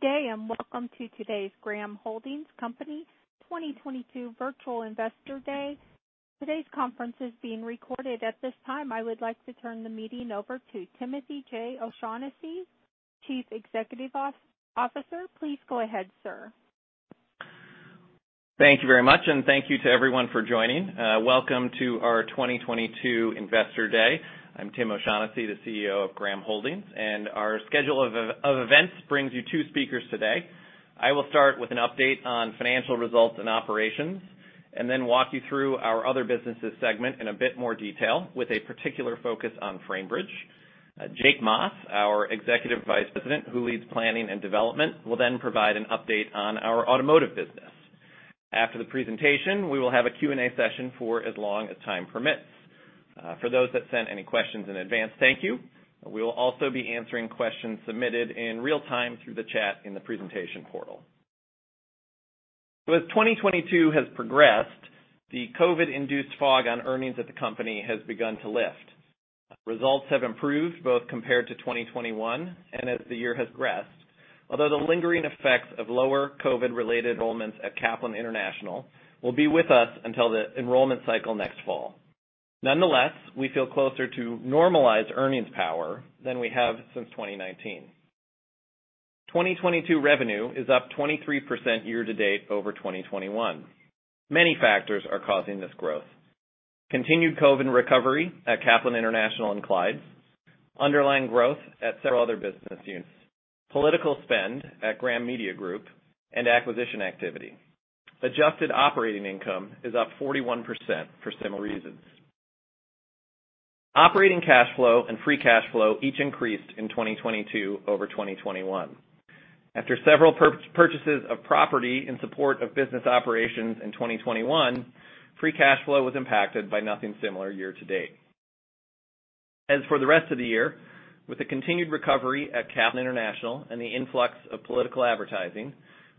Good day and welcome to today's Graham Holdings Company 2022 Virtual Investor Day. Today's conference is being recorded. At this time, I would like to turn the meeting over to Timothy J. O'Shaughnessy, Chief Executive Officer. Please go ahead, sir. Thank you very much, and thank you to everyone for joining. Welcome to our 2022 Investor Day. I'm Tim O'Shaughnessy, the CEO of Graham Holdings, and our schedule of events brings you two speakers today. I will start with an update on financial results and operations, and then walk you through our other businesses segment in a bit more detail with a particular focus on Framebridge. Jake Maas, our Executive Vice President who leads planning and development, will then provide an update on our automotive business. After the presentation, we will have a Q&A session for as long as time permits. For those that sent any questions in advance, thank you. We will also be answering questions submitted in real-time through the chat in the presentation portal. As 2022 has progressed, the COVID-induced fog on earnings at the company has begun to lift. Results have improved both compared to 2021 and as the year has progressed. Although the lingering effects of lower COVID-related enrollments at Kaplan International will be with us until the enrollment cycle next fall. Nonetheless, we feel closer to normalized earnings power than we have since 2019. 2022 revenue is up 23% year to date over 2021. Many factors are causing this growth. Continued COVID recovery at Kaplan International and Clyde's, underlying growth at several other business units, political spend at Graham Media Group, and acquisition activity. Adjusted operating income is up 41% for similar reasons. Operating cash flow and free cash flow each increased in 2022 over 2021. After several purchases of property in support of business operations in 2021, free cash flow was impacted by nothing similar year to date. As for the rest of the year, with the continued recovery at Kaplan International and the influx of political advertising,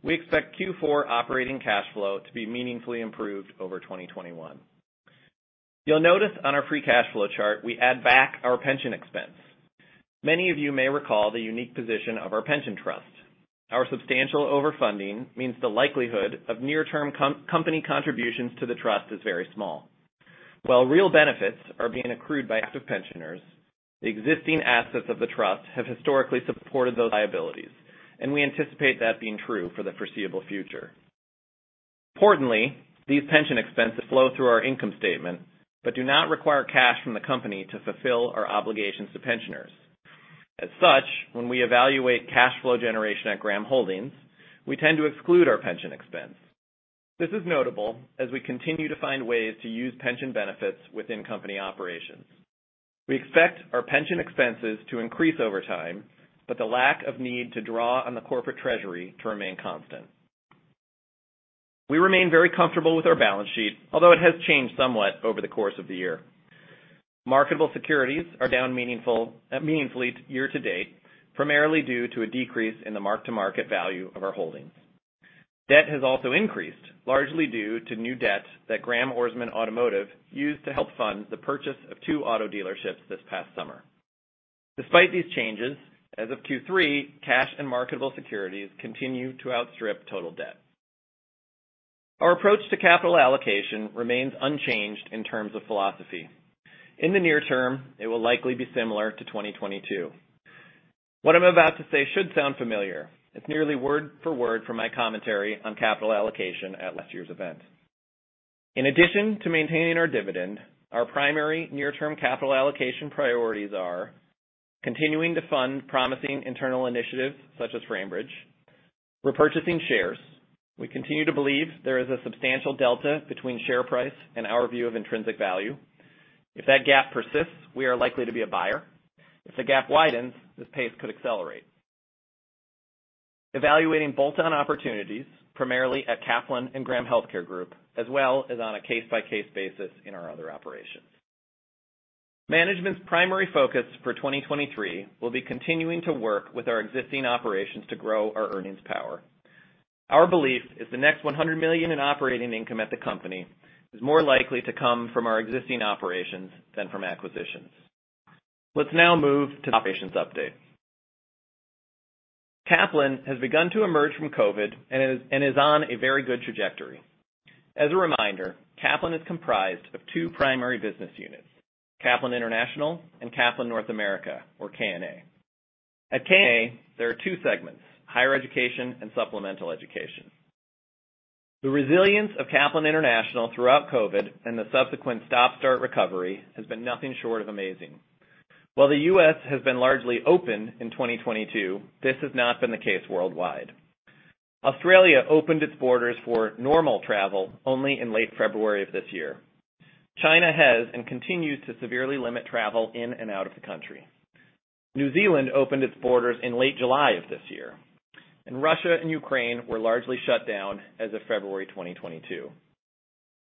we expect Q4 operating cash flow to be meaningfully improved over 2021. You'll notice on our free cash flow chart, we add back our pension expense. Many of you may recall the unique position of our pension trust. Our substantial overfunding means the likelihood of near-term company contributions to the trust is very small. While real benefits are being accrued by active pensioners, the existing assets of the trust have historically supported those liabilities, and we anticipate that being true for the foreseeable future. Importantly, these pension expenses flow through our income statement but do not require cash from the company to fulfill our obligations to pensioners. As such, when we evaluate cash flow generation at Graham Holdings, we tend to exclude our pension expense. This is notable as we continue to find ways to use pension benefits within company operations. We expect our pension expenses to increase over time, but the lack of need to draw on the corporate treasury to remain constant. We remain very comfortable with our balance sheet, although it has changed somewhat over the course of the year. Marketable securities are down meaningfully year to date, primarily due to a decrease in the mark-to-market value of our holdings. Debt has also increased, largely due to new debt that Graham-Ourisman automotive used to help fund the purchase of two auto dealerships this past summer. Despite these changes, as of Q3, cash and marketable securities continue to outstrip total debt. Our approach to capital allocation remains unchanged in terms of philosophy. In the near term, it will likely be similar to 2022. What I'm about to say should sound familiar. It's nearly word for word from my commentary on capital allocation at last year's event. In addition to maintaining our dividend, our primary near-term capital allocation priorities are: continuing to fund promising internal initiatives such as Framebridge. Repurchasing shares. We continue to believe there is a substantial delta between share price and our view of intrinsic value. If that gap persists, we are likely to be a buyer. If the gap widens, this pace could accelerate. Evaluating bolt-on opportunities, primarily at Kaplan and Graham Healthcare Group, as well as on a case-by-case basis in our other operations. Management's primary focus for 2023 will be continuing to work with our existing operations to grow our earnings power. Our belief is the next $100 million in operating income at the company is more likely to come from our existing operations than from acquisitions. Let's now move to operations update. Kaplan has begun to emerge from COVID and is on a very good trajectory. As a reminder, Kaplan is comprised of two primary business units, Kaplan International and Kaplan North America, or KNA. At KNA, there are two segments, higher education and supplemental education. The resilience of Kaplan International throughout COVID and the subsequent stop-start recovery has been nothing short of amazing. While the U.S. has been largely open in 2022, this has not been the case worldwide. Australia opened its borders for normal travel only in late February of this year. China has and continues to severely limit travel in and out of the country. New Zealand opened its borders in late July of this year. Russia and Ukraine were largely shut down as of February 2022.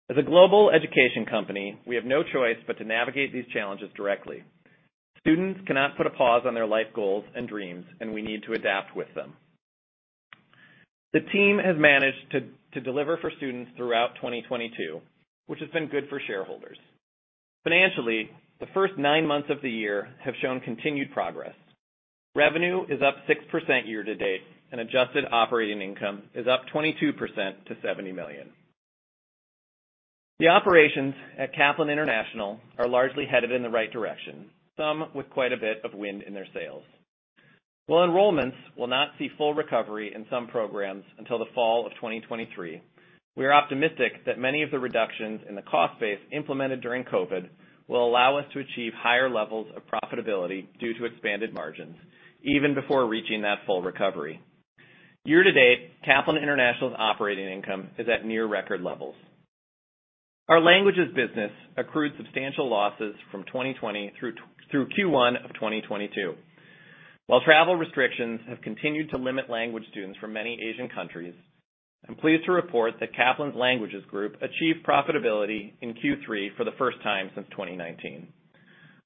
As a global education company, we have no choice but to navigate these challenges directly. Students cannot put a pause on their life goals and dreams. We need to adapt with them. The team has managed to deliver for students throughout 2022, which has been good for shareholders. Financially, the first nine months of the year have shown continued progress. Revenue is up 6% year-to-date. Adjusted operating income is up 22% to $70 million. The operations at Kaplan International are largely headed in the right direction, some with quite a bit of wind in their sails. While enrollments will not see full recovery in some programs until the fall of 2023, we are optimistic that many of the reductions in the cost base implemented during COVID will allow us to achieve higher levels of profitability due to expanded margins, even before reaching that full recovery. Year-to-date, Kaplan International's operating income is at near record levels. Our languages business accrued substantial losses from 2020 through Q1 of 2022. While travel restrictions have continued to limit language students from many Asian countries, I'm pleased to report that Kaplan's languages group achieved profitability in Q3 for the first time since 2019.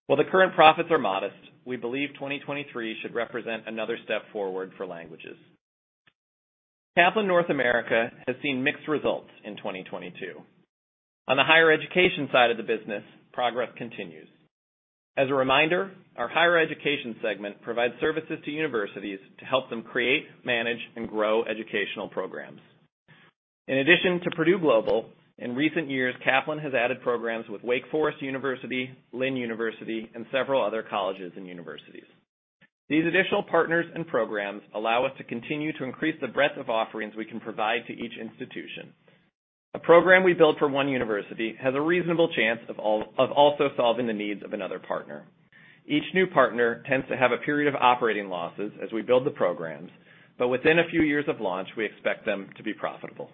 While the current profits are modest, we believe 2023 should represent another step forward for languages. Kaplan North America has seen mixed results in 2022. On the higher education side of the business, progress continues. As a reminder, our higher education segment provides services to universities to help them create, manage, and grow educational programs. In addition to Purdue Global, in recent years, Kaplan has added programs with Wake Forest University, Lynn University, and several other colleges and universities. These additional partners and programs allow us to continue to increase the breadth of offerings we can provide to each institution. A program we build for one university has a reasonable chance of also solving the needs of another partner. Each new partner tends to have a period of operating losses as we build the programs, but within a few years of launch, we expect them to be profitable.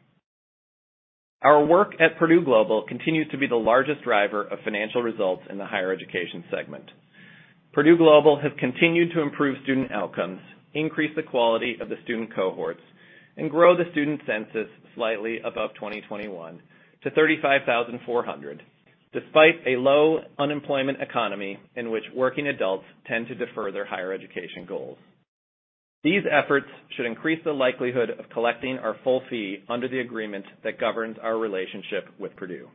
Our work at Purdue Global continues to be the largest driver of financial results in the higher education segment. Purdue Global has continued to improve student outcomes, increase the quality of the student cohorts, and grow the student census slightly above 2021 to 35,400, despite a low unemployment economy in which working adults tend to defer their higher education goals. These efforts should increase the likelihood of collecting our full fee under the agreement that governs our relationship with Purdue.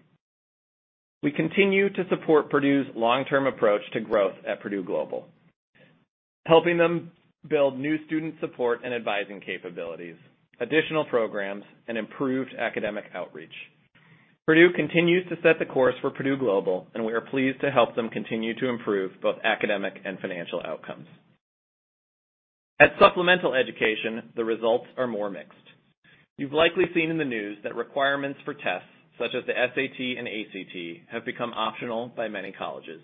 We continue to support Purdue's long-term approach to growth at Purdue Global, helping them build new student support and advising capabilities, additional programs, and improved academic outreach. Purdue continues to set the course for Purdue Global, we are pleased to help them continue to improve both academic and financial outcomes. At supplemental education, the results are more mixed. You've likely seen in the news that requirements for tests, such as the SAT and ACT, have become optional by many colleges.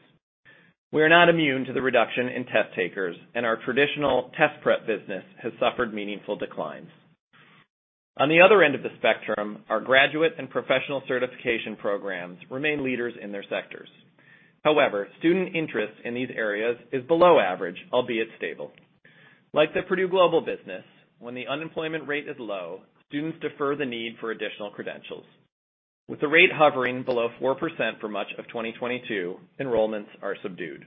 We are not immune to the reduction in test-takers, and our traditional test prep business has suffered meaningful declines. On the other end of the spectrum, our graduate and professional certification programs remain leaders in their sectors. Student interest in these areas is below average, albeit stable. Like the Purdue Global business, when the unemployment rate is low, students defer the need for additional credentials. With the rate hovering below 4% for much of 2022, enrollments are subdued.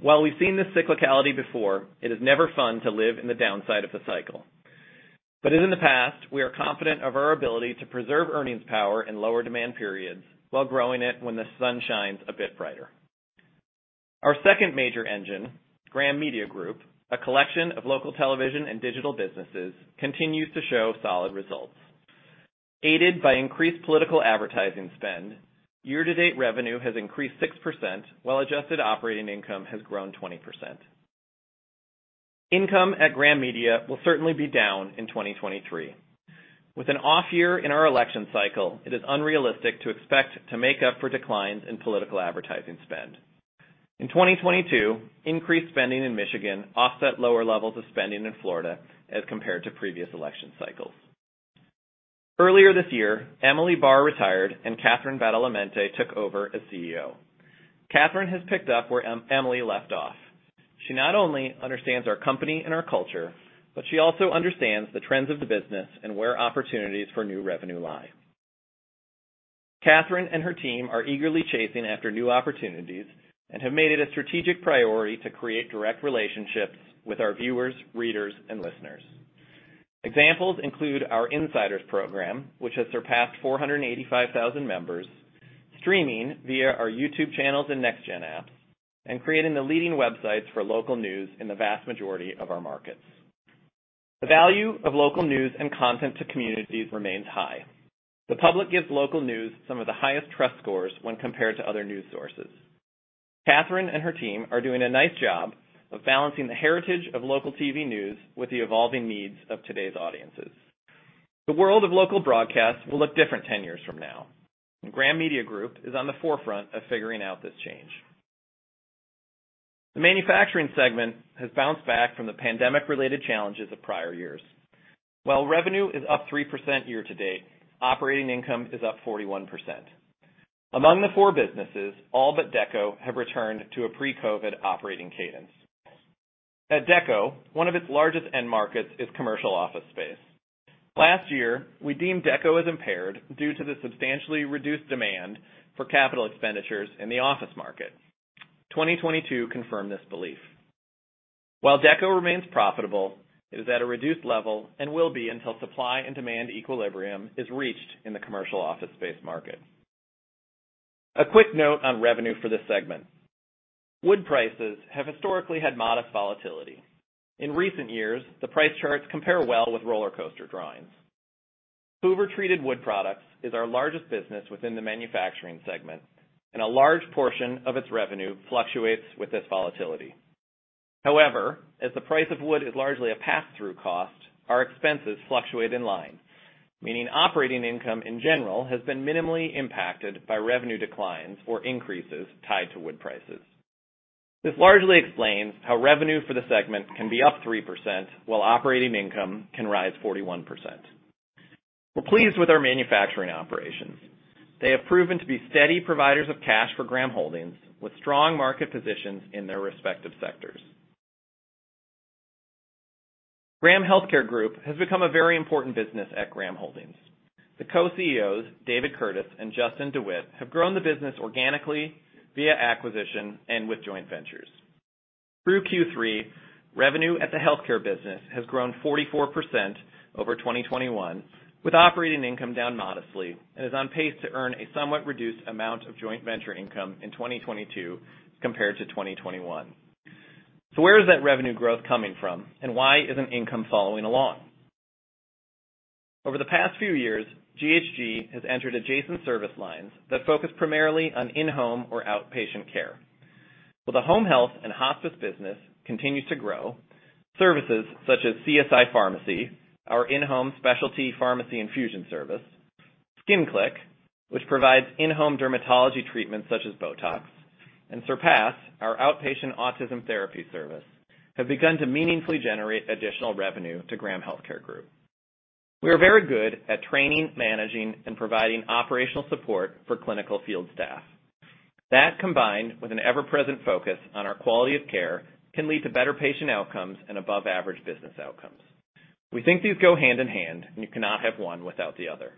While we've seen this cyclicality before, it is never fun to live in the downside of the cycle. As in the past, we are confident of our ability to preserve earnings power in lower demand periods while growing it when the sun shines a bit brighter. Our second major engine, Graham Media Group, a collection of local television and digital businesses, continues to show solid results. Aided by increased political advertising spend, year-to-date revenue has increased 6%, while adjusted operating income has grown 20%. Income at Graham Media will certainly be down in 2023. With an off year in our election cycle, it is unrealistic to expect to make up for declines in political advertising spend. In 2022, increased spending in Michigan offset lower levels of spending in Florida as compared to previous election cycles. Earlier this year, Emily Barr retired, and Catherine Badalamente took over as CEO. Catherine has picked up where Emily left off. She not only understands our company and our culture, but she also understands the trends of the business and where opportunities for new revenue lie. Catherine and her team are eagerly chasing after new opportunities and have made it a strategic priority to create direct relationships with our viewers, readers, and listeners. Examples include our Insiders program, which has surpassed 485,000 members, streaming via our YouTube channels and NextGen apps, and creating the leading websites for local news in the vast majority of our markets. The value of local news and content to communities remains high. The public gives local news some of the highest trust scores when compared to other news sources. Catherine and her team are doing a nice job of balancing the heritage of local TV news with the evolving needs of today's audiences. The world of local broadcast will look different 10 years from now, and Graham Media Group is on the forefront of figuring out this change. The manufacturing segment has bounced back from the pandemic-related challenges of prior years. While revenue is up 3% year-to-date, operating income is up 41%. Among the four businesses, all but Dekko have returned to a pre-COVID operating cadence. At Dekko, one of its largest end markets is commercial office space. Last year, we deemed Dekko as impaired due to the substantially reduced demand for capital expenditures in the office market. 2022 confirmed this belief. While Dekko remains profitable, it is at a reduced level and will be until supply and demand equilibrium is reached in the commercial office space market. A quick note on revenue for this segment. Wood prices have historically had modest volatility. In recent years, the price charts compare well with rollercoaster drawings. Hoover Treated Wood Products is our largest business within the manufacturing segment, and a large portion of its revenue fluctuates with this volatility. As the price of wood is largely a pass-through cost, our expenses fluctuate in line, meaning operating income, in general, has been minimally impacted by revenue declines or increases tied to wood prices. This largely explains how revenue for the segment can be up 3% while operating income can rise 41%. We're pleased with our manufacturing operations. They have proven to be steady providers of cash for Graham Holdings with strong market positions in their respective sectors. Graham Healthcare Group has become a very important business at Graham Holdings. The co-CEOs, David Curtis and Justin DeWitte, have grown the business organically via acquisition and with joint ventures. Through Q3, revenue at the healthcare business has grown 44% over 2021, with operating income down modestly and is on pace to earn a somewhat reduced amount of joint venture income in 2022 compared to 2021. Where is that revenue growth coming from, and why isn't income following along? Over the past few years, GHG has entered adjacent service lines that focus primarily on in-home or outpatient care. While the home health and hospice business continues to grow, services such as CSI Pharmacy, our in-home specialty pharmacy infusion service, Skin Clique, which provides in-home dermatology treatments such as Botox, and Surpass, our outpatient autism therapy service, have begun to meaningfully generate additional revenue to Graham Healthcare Group. We are very good at training, managing, and providing operational support for clinical field staff. That, combined with an ever-present focus on our quality of care, can lead to better patient outcomes and above-average business outcomes. We think these go hand in hand, and you cannot have one without the other.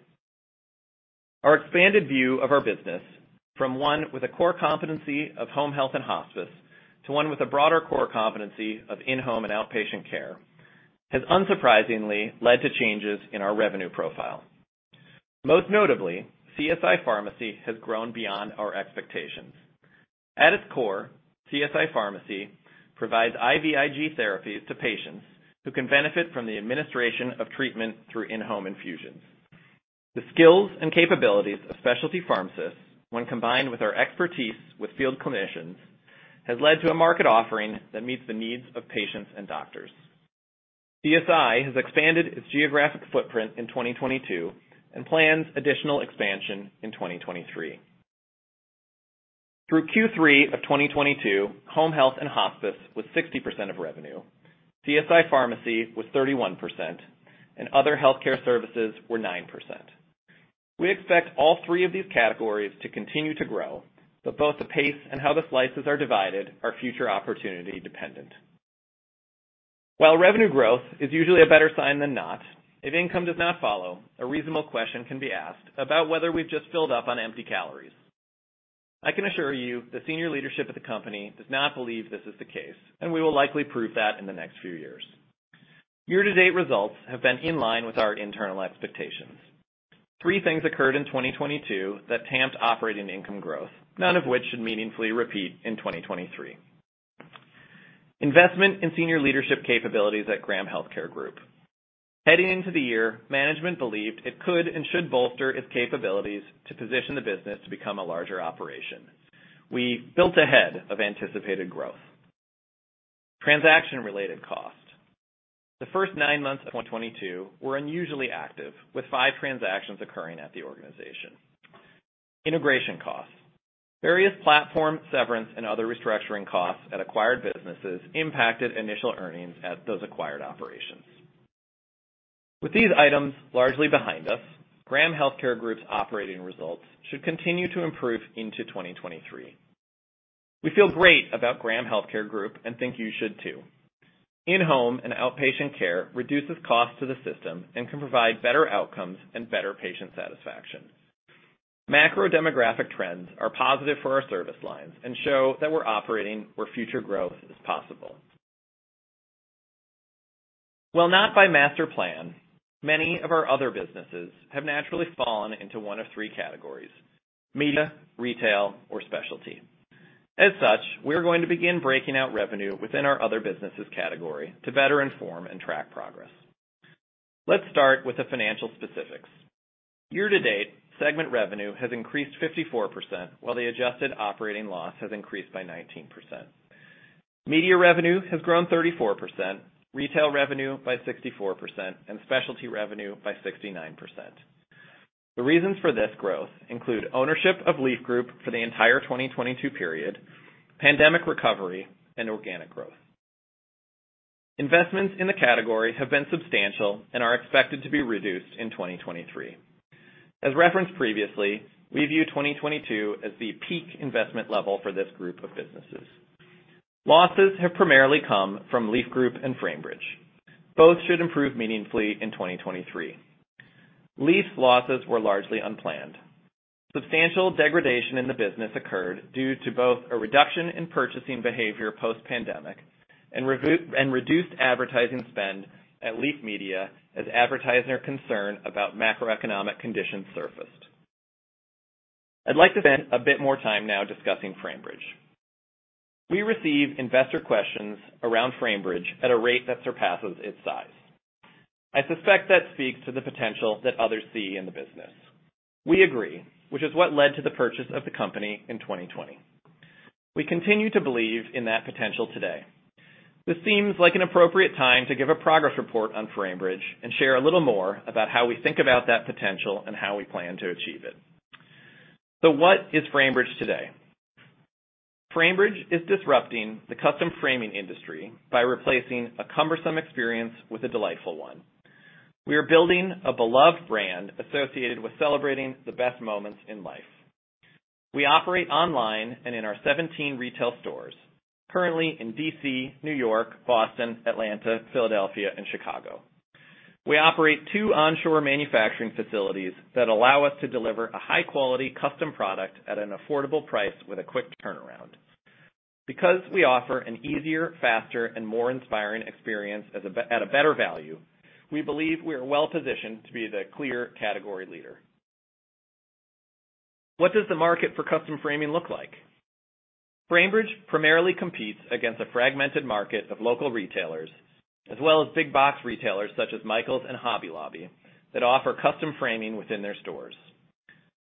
Our expanded view of our business from one with a core competency of home health and hospice to one with a broader core competency of in-home and outpatient care has unsurprisingly led to changes in our revenue profile. Most notably, CSI Pharmacy has grown beyond our expectations. At its core, CSI Pharmacy provides IVIG therapies to patients who can benefit from the administration of treatment through in-home infusions. The skills and capabilities of specialty pharmacists when combined with our expertise with field clinicians, has led to a market offering that meets the needs of patients and doctors. CSI has expanded its geographic footprint in 2022 and plans additional expansion in 2023. Through Q3 of 2022, home health and hospice was 60% of revenue, CSI Pharmacy was 31%, and other healthcare services were 9%. We expect all three of these categories to continue to grow, but both the pace and how the slices are divided are future opportunity dependent. While revenue growth is usually a better sign than not, if income does not follow, a reasonable question can be asked about whether we've just filled up on empty calories. I can assure you the senior leadership of the company does not believe this is the case, and we will likely prove that in the next few years. Year-to-date results have been in line with our internal expectations. Three things occurred in 2022 that tamped operating income growth, none of which should meaningfully repeat in 2023. Investment in senior leadership capabilities at Graham Healthcare Group. Heading into the year, management believed it could and should bolster its capabilities to position the business to become a larger operation. We built ahead of anticipated growth. Transaction-related costs. The first nine months of 2022 were unusually active, with five transactions occurring at the organization. Integration costs. Various platform severance and other restructuring costs at acquired businesses impacted initial earnings at those acquired operations. With these items largely behind us, Graham Healthcare Group's operating results should continue to improve into 2023. We feel great about Graham Healthcare Group and think you should too. In-home and outpatient care reduces costs to the system and can provide better outcomes and better patient satisfaction. Macro demographic trends are positive for our service lines and show that we're operating where future growth is possible. While not by master plan, many of our other businesses have naturally fallen into one of three categories: media, retail, or specialty. We are going to begin breaking out revenue within our other businesses category to better inform and track progress. Let's start with the financial specifics. Year to date, segment revenue has increased 54%, while the adjusted operating loss has increased by 19%. Media revenue has grown 34%, retail revenue by 64%, and specialty revenue by 69%. The reasons for this growth include ownership of Leaf Group for the entire 2022 period, pandemic recovery, and organic growth. Investments in the category have been substantial and are expected to be reduced in 2023. As referenced previously, we view 2022 as the peak investment level for this group of businesses. Losses have primarily come from Leaf Group and Framebridge. Both should improve meaningfully in 2023. Leaf's losses were largely unplanned. Substantial degradation in the business occurred due to both a reduction in purchasing behavior post-pandemic and reduced advertising spend at Leaf Media as advertiser concern about macroeconomic conditions surfaced. I'd like to spend a bit more time now discussing Framebridge. We receive investor questions around Framebridge at a rate that surpasses its size. I suspect that speaks to the potential that others see in the business. We agree, which is what led to the purchase of the company in 2020. We continue to believe in that potential today. This seems like an appropriate time to give a progress report on Framebridge and share a little more about how we think about that potential and how we plan to achieve it. What is Framebridge today? Framebridge is disrupting the custom framing industry by replacing a cumbersome experience with a delightful one. We are building a beloved brand associated with celebrating the best moments in life. We operate online and in our 17 retail stores currently in D.C., New York, Boston, Atlanta, Philadelphia, and Chicago. We operate two onshore manufacturing facilities that allow us to deliver a high quality custom product at an affordable price with a quick turnaround. We offer an easier, faster, and more inspiring experience at a better value, we believe we are well-positioned to be the clear category leader. What does the market for custom framing look like? Framebridge primarily competes against a fragmented market of local retailers as well as big box retailers such as Michaels and Hobby Lobby that offer custom framing within their stores.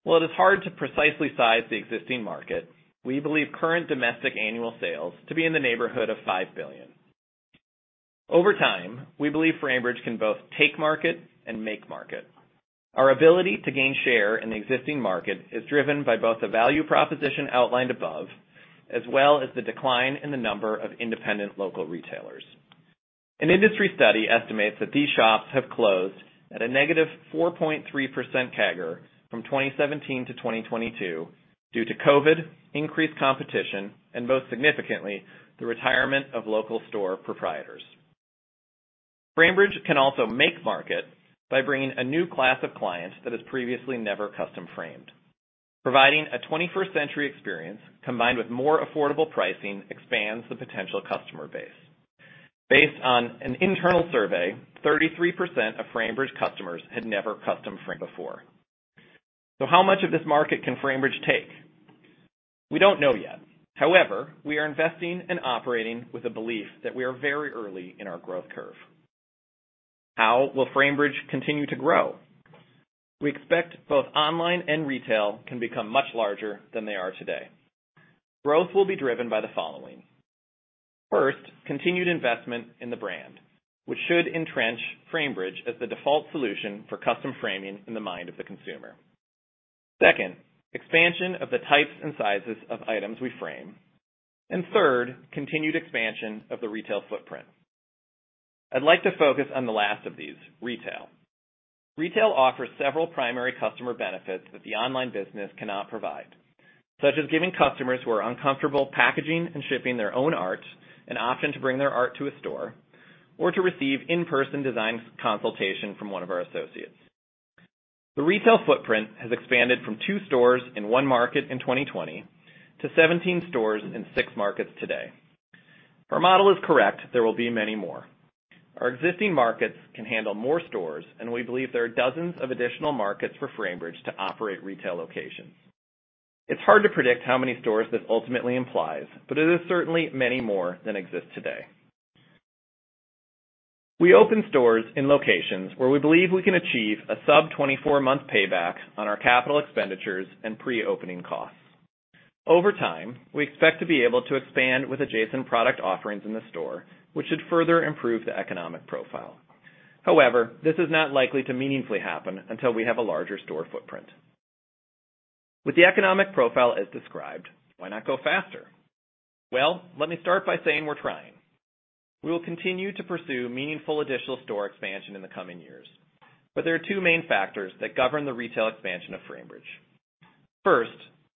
While it is hard to precisely size the existing market, we believe current domestic annual sales to be in the neighborhood of $5 billion. Over time, we believe Framebridge can both take market and make market. Our ability to gain share in the existing market is driven by both the value proposition outlined above as well as the decline in the number of independent local retailers. An industry study estimates that these shops have closed at a negative 4.3% CAGR from 2017 to 2022 due to COVID, increased competition, and most significantly, the retirement of local store proprietors. Framebridge can also make market by bringing a new class of clients that has previously never custom framed. Providing a 21st-century experience combined with more affordable pricing expands the potential customer base. Based on an internal survey, 33% of Framebridge customers had never custom framed before. How much of this market can Framebridge take? We don't know yet. However, we are investing and operating with a belief that we are very early in our growth curve. How will Framebridge continue to grow? We expect both online and retail can become much larger than they are today. Growth will be driven by the following. First, continued investment in the brand, which should entrench Framebridge as the default solution for custom framing in the mind of the consumer. Second, expansion of the types and sizes of items we frame. Third, continued expansion of the retail footprint. I'd like to focus on the last of these, retail. Retail offers several primary customer benefits that the online business cannot provide, such as giving customers who are uncomfortable packaging and shipping their own art an option to bring their art to a store or to receive in-person design consultation from one of our associates. The retail footprint has expanded from two stores in one market in 2020 to 17 stores in six markets today. If our model is correct, there will be many more. Our existing markets can handle more stores. We believe there are dozens of additional markets for Framebridge to operate retail locations. It's hard to predict how many stores this ultimately implies. It is certainly many more than exist today. We open stores in locations where we believe we can achieve a sub-24-month payback on our capital expenditures and pre-opening costs. Over time, we expect to be able to expand with adjacent product offerings in the store, which should further improve the economic profile. However, this is not likely to meaningfully happen until we have a larger store footprint. With the economic profile as described, why not go faster? Well, let me start by saying we're trying. We will continue to pursue meaningful additional store expansion in the coming years, but there are two main factors that govern the retail expansion of Framebridge. First,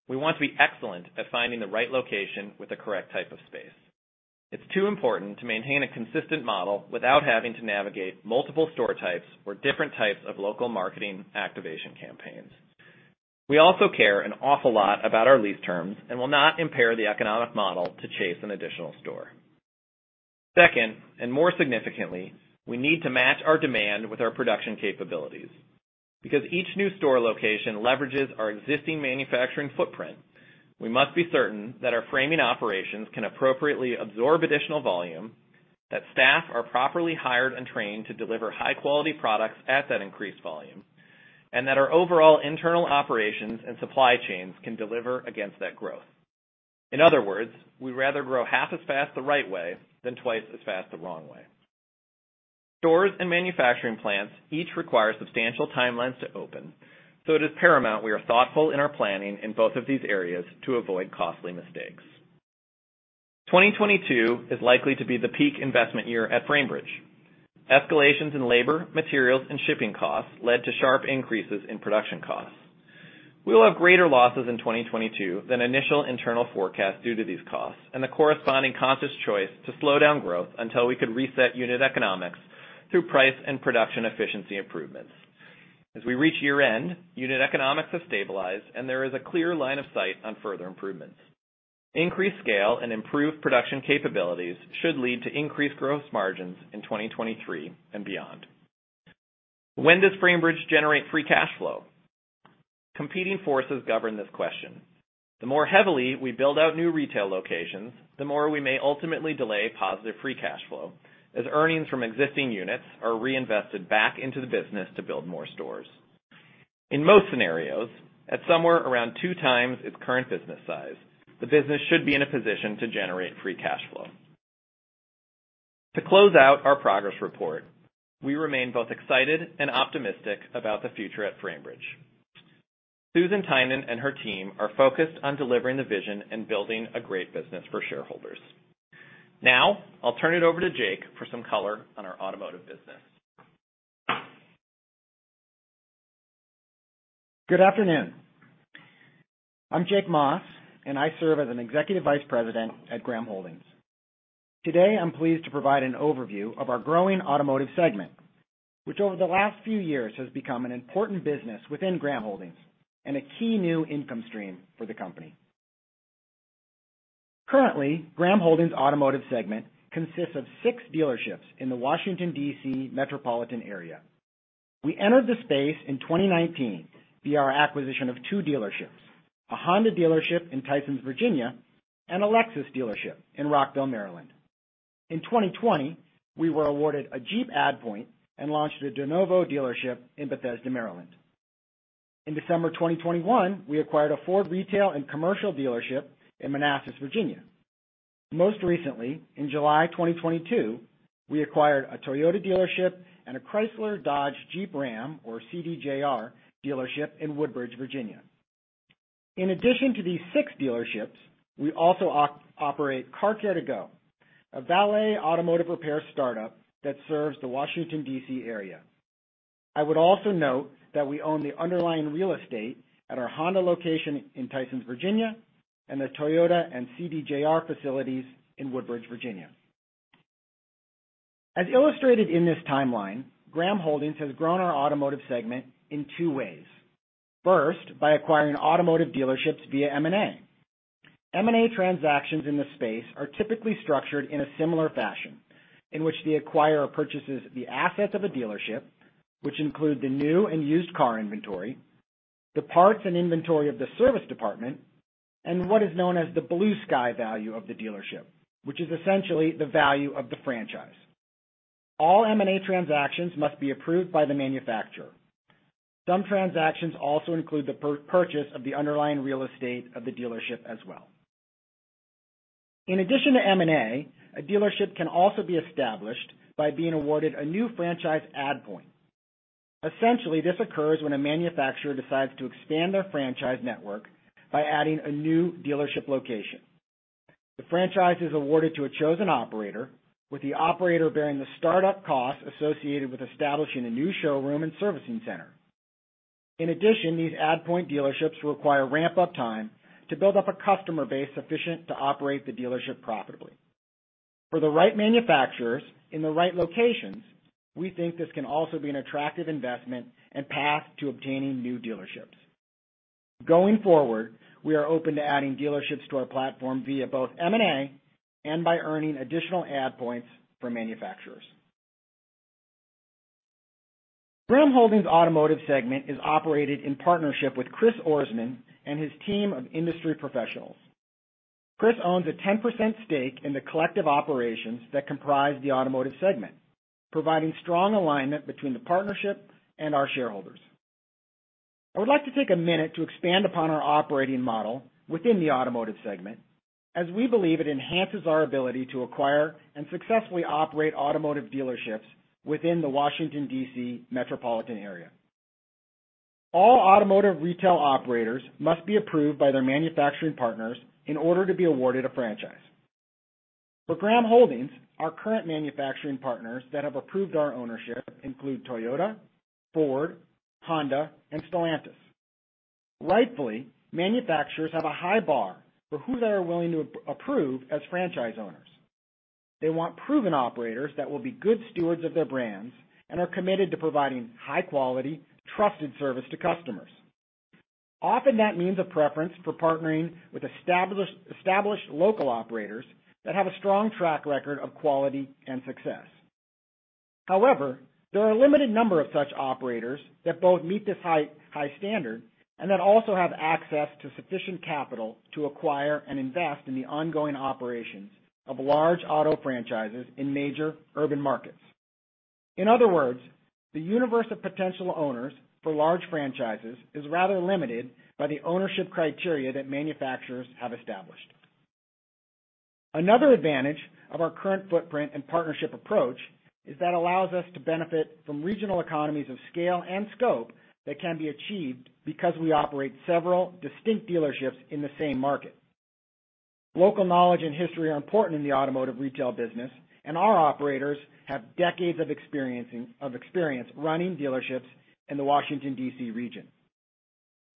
we want to be excellent at finding the right location with the correct type of space. It's too important to maintain a consistent model without having to navigate multiple store types or different types of local marketing activation campaigns. We also care an awful lot about our lease terms and will not impair the economic model to chase an additional store. Second, and more significantly, we need to match our demand with our production capabilities. Because each new store location leverages our existing manufacturing footprint, we must be certain that our framing operations can appropriately absorb additional volume, that staff are properly hired and trained to deliver high-quality products at that increased volume, and that our overall internal operations and supply chains can deliver against that growth. In other words, we'd rather grow half as fast the right way than twice as fast the wrong way. Stores and manufacturing plants each require substantial timelines to open, so it is paramount we are thoughtful in our planning in both of these areas to avoid costly mistakes. 2022 is likely to be the peak investment year at Framebridge. Escalations in labor, materials, and shipping costs led to sharp increases in production costs. We will have greater losses in 2022 than initial internal forecasts due to these costs and the corresponding conscious choice to slow down growth until we could reset unit economics through price and production efficiency improvements. As we reach year-end, unit economics have stabilized and there is a clear line of sight on further improvements. Increased scale and improved production capabilities should lead to increased gross margins in 2023 and beyond. When does Framebridge generate free cash flow? Competing forces govern this question. The more heavily we build out new retail locations, the more we may ultimately delay positive free cash flow as earnings from existing units are reinvested back into the business to build more stores. In most scenarios, at somewhere around two times its current business size, the business should be in a position to generate free cash flow. To close out our progress report, we remain both excited and optimistic about the future at Framebridge. Susan Tynan and her team are focused on delivering the vision and building a great business for shareholders. Now, I'll turn it over to Jake for some color on our automotive business. Good afternoon. I'm Jake Maas. I serve as an Executive Vice President at Graham Holdings. Today, I'm pleased to provide an overview of our growing automotive segment, which over the last few years has become an important business within Graham Holdings and a key new income stream for the company. Currently, Graham Holdings automotive segment consists of six dealerships in the Washington, D.C. metropolitan area. We entered the space in 2019 via our acquisition of two dealerships, a Honda dealership in Tysons, Virginia, and a Lexus dealership in Rockville, Maryland. In 2020, we were awarded a Jeep add point and launched a de novo dealership in Bethesda, Maryland. In December 2021, we acquired a Ford retail and commercial dealership in Manassas, Virginia. Most recently, in July 2022, we acquired a Toyota dealership and a Chrysler Dodge Jeep Ram, or CDJR dealership in Woodbridge, Virginia. In addition to these six dealerships, we also operate CarCare To Go, a valet automotive repair startup that serves the Washington, D.C. area. I would also note that we own the underlying real estate at our Honda location in Tysons, Virginia, and the Toyota and CDJR facilities in Woodbridge, Virginia. As illustrated in this timeline, Graham Holdings has grown our automotive segment in two ways. First, by acquiring automotive dealerships via M&A. M&A transactions in this space are typically structured in a similar fashion in which the acquirer purchases the assets of a dealership, which include the new and used car inventory, the parts and inventory of the service department, and what is known as the blue sky value of the dealership, which is essentially the value of the franchise. All M&A transactions must be approved by the manufacturer. Some transactions also include the purchase of the underlying real estate of the dealership as well. In addition to M&A, a dealership can also be established by being awarded a new franchise add point. Essentially, this occurs when a manufacturer decides to expand their franchise network by adding a new dealership location. The franchise is awarded to a chosen operator, with the operator bearing the start-up costs associated with establishing a new showroom and servicing center. In addition, these add point dealerships require ramp-up time to build up a customer base sufficient to operate the dealership profitably. For the right manufacturers in the right locations, we think this can also be an attractive investment and path to obtaining new dealerships. Going forward, we are open to adding dealerships to our platform via both M&A and by earning additional add points for manufacturers. Graham Holdings automotive segment is operated in partnership with Chris Ourisman and his team of industry professionals. Chris owns a 10% stake in the collective operations that comprise the automotive segment, providing strong alignment between the partnership and our shareholders. I would like to take a minute to expand upon our operating model within the automotive segment as we believe it enhances our ability to acquire and successfully operate automotive dealerships within the Washington, D.C. metropolitan area. All automotive retail operators must be approved by their manufacturing partners in order to be awarded an franchise. For Graham Holdings, our current manufacturing partners that have approved our ownership include Toyota, Ford, Honda, and Stellantis. Rightfully, manufacturers have a high bar for who they are willing to approve as franchise owners. They want proven operators that will be good stewards of their brands and are committed to providing high quality, trusted service to customers. Often that means a preference for partnering with established local operators that have a strong track record of quality and success. However, there are a limited number of such operators that both meet this high standard and that also have access to sufficient capital to acquire and invest in the ongoing operations of large auto franchises in major urban markets. In other words, the universe of potential owners for large franchises is rather limited by the ownership criteria that manufacturers have established. Another advantage of our current footprint and partnership approach is that allows us to benefit from regional economies of scale and scope that can be achieved because we operate several distinct dealerships in the same market. Local knowledge and history are important in the automotive retail business, our operators have decades of experience running dealerships in the Washington, D.C. region.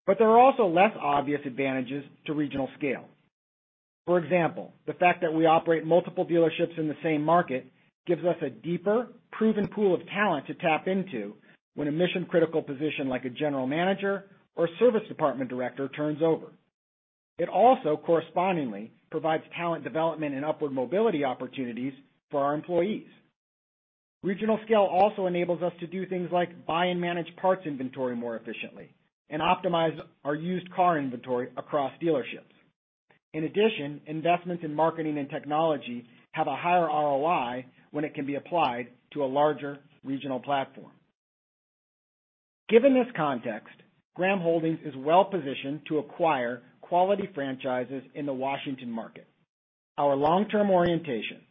There are also less obvious advantages to regional scale. For example, the fact that we operate multiple dealerships in the same market gives us a deeper proven pool of talent to tap into when a mission-critical position like a general manager or service department director turns over. It also correspondingly provides talent development and upward mobility opportunities for our employees. Regional scale also enables us to do things like buy and manage parts inventory more efficiently and optimize our used car inventory across dealerships. In addition, investments in marketing and technology have a higher ROI when it can be applied to a larger regional platform. Given this context, Graham Holdings is well-positioned to acquire quality franchises in the Washington market. Our long-term orientation,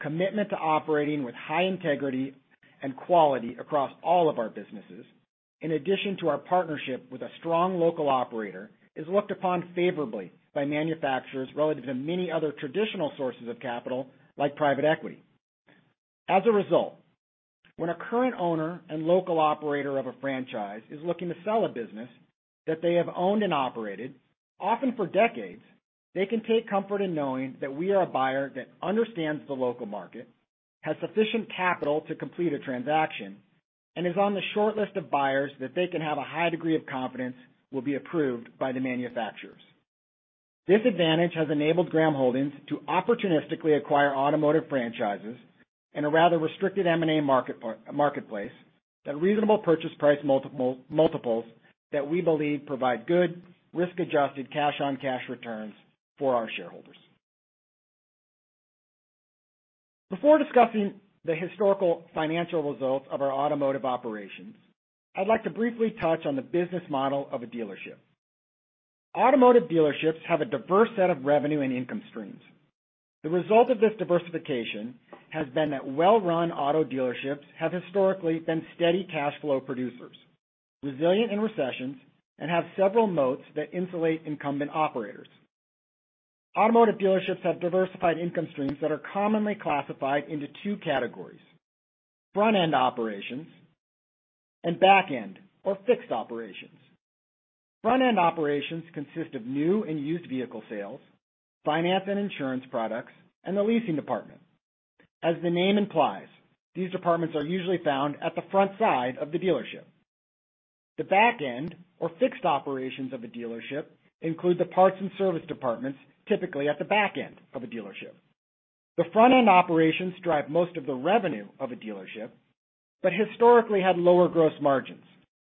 commitment to operating with high integrity and quality across all of our businesses, in addition to our partnership with a strong local operator, is looked upon favorably by manufacturers relative to many other traditional sources of capital, like private equity. As a result, when a current owner and local operator of a franchise is looking to sell a business that they have owned and operated, often for decades, they can take comfort in knowing that we are a buyer that understands the local market, has sufficient capital to complete a transaction, and is on the short list of buyers that they can have a high degree of confidence will be approved by the manufacturers. This advantage has enabled Graham Holdings to opportunistically acquire automotive franchises in a rather restricted M&A marketplace at reasonable purchase price multiples that we believe provide good risk-adjusted cash-on-cash returns for our shareholders. Before discussing the historical financial results of our automotive operations, I'd like to briefly touch on the business model of a dealership. Automotive dealerships have a diverse set of revenue and income streams. The result of this diversification has been that well-run auto dealerships have historically been steady cash flow producers, resilient in recessions, and have several moats that insulate incumbent operators. Automotive dealerships have diversified income streams that are commonly classified into two categories, front-end operations and back-end or fixed operations. Front-end operations consist of new and used vehicle sales, finance and insurance products, and the leasing department. As the name implies, these departments are usually found at the front side of the dealership. The back end or fixed operations of a dealership include the parts and service departments, typically at the back end of a dealership. The front-end operations drive most of the revenue of a dealership, but historically had lower gross margins,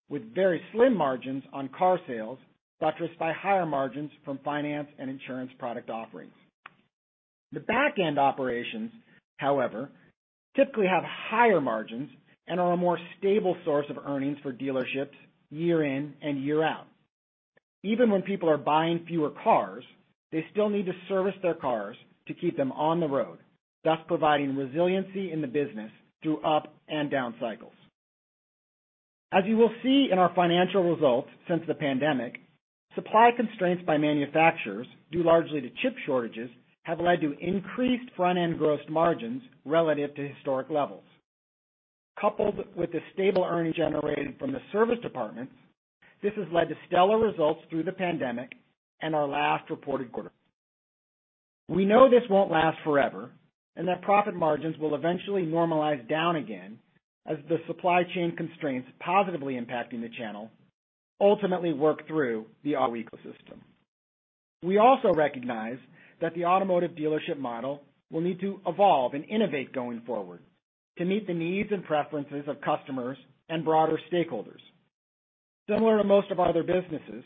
with very slim margins on car sales, buttressed by higher margins from finance and insurance product offerings. The back-end operations, however, typically have higher margins and are a more stable source of earnings for dealerships year in and year out. Even when people are buying fewer cars, they still need to service their cars to keep them on the road, thus providing resiliency in the business through up and down cycles. As you will see in our financial results since the pandemic, supply constraints by manufacturers, due largely to chip shortages, have led to increased front-end gross margins relative to historic levels. Coupled with the stable earnings generated from the service departments, this has led to stellar results through the pandemic and our last reported quarter. We know this won't last forever, and that profit margins will eventually normalize down again as the supply chain constraints positively impacting the channel ultimately work through the auto ecosystem. We also recognize that the automotive dealership model will need to evolve and innovate going forward to meet the needs and preferences of customers and broader stakeholders. Similar to most of our other businesses,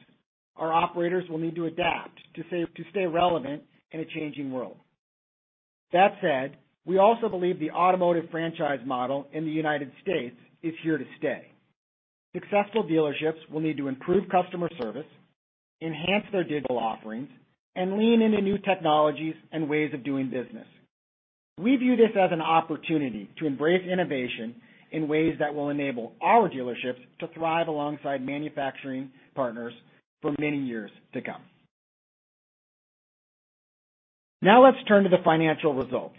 our operators will need to adapt to stay relevant in a changing world. That said, we also believe the automotive franchise model in the United States is here to stay. Successful dealerships will need to improve customer service, enhance their digital offerings, and lean into new technologies and ways of doing business. We view this as an opportunity to embrace innovation in ways that will enable our dealerships to thrive alongside manufacturing partners for many years to come. Let's turn to the financial results.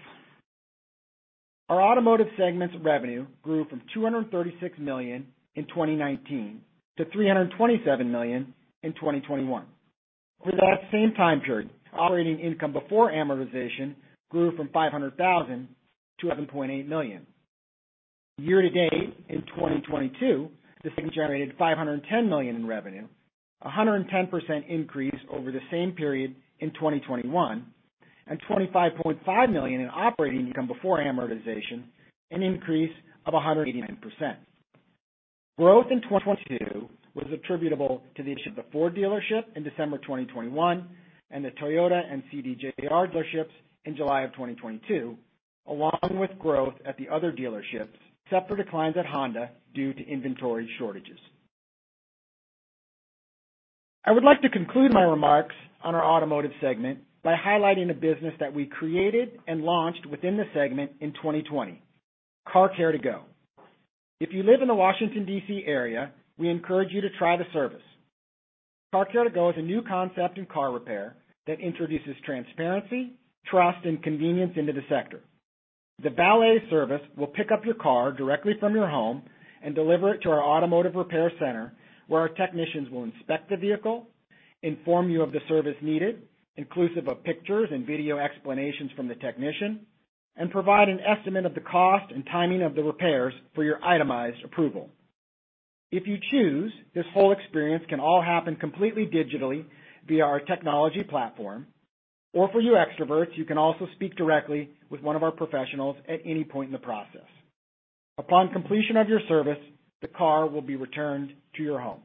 Our automotive segment's revenue grew from $236 million in 2019 to $327 million in 2021. Over that same time period, operating income before amortization grew from $500,000 to $7.8 million. Year to date in 2022, the segment generated $510 million in revenue, a 110% increase over the same period in 2021, and $25.5 million in operating income before amortization, an increase of 189%. Growth in 2022 was attributable to the addition of the Ford dealership in December 2021 and the Toyota and CDJR dealerships in July of 2022, along with growth at the other dealerships, except for declines at Honda due to inventory shortages. I would like to conclude my remarks on our automotive segment by highlighting a business that we created and launched within the segment in 2020, CarCare To Go. If you live in the Washington, D.C. area, we encourage you to try the service. CarCare To Go is a new concept in car repair that introduces transparency, trust, and convenience into the sector. The valet service will pick up your car directly from your home and deliver it to our automotive repair center, where our technicians will inspect the vehicle, inform you of the service needed, inclusive of pictures and video explanations from the technician, and provide an estimate of the cost and timing of the repairs for your itemized approval. If you choose, this whole experience can all happen completely digitally via our technology platform, or for you extroverts, you can also speak directly with one of our professionals at any point in the process. Upon completion of your service, the car will be returned to your home.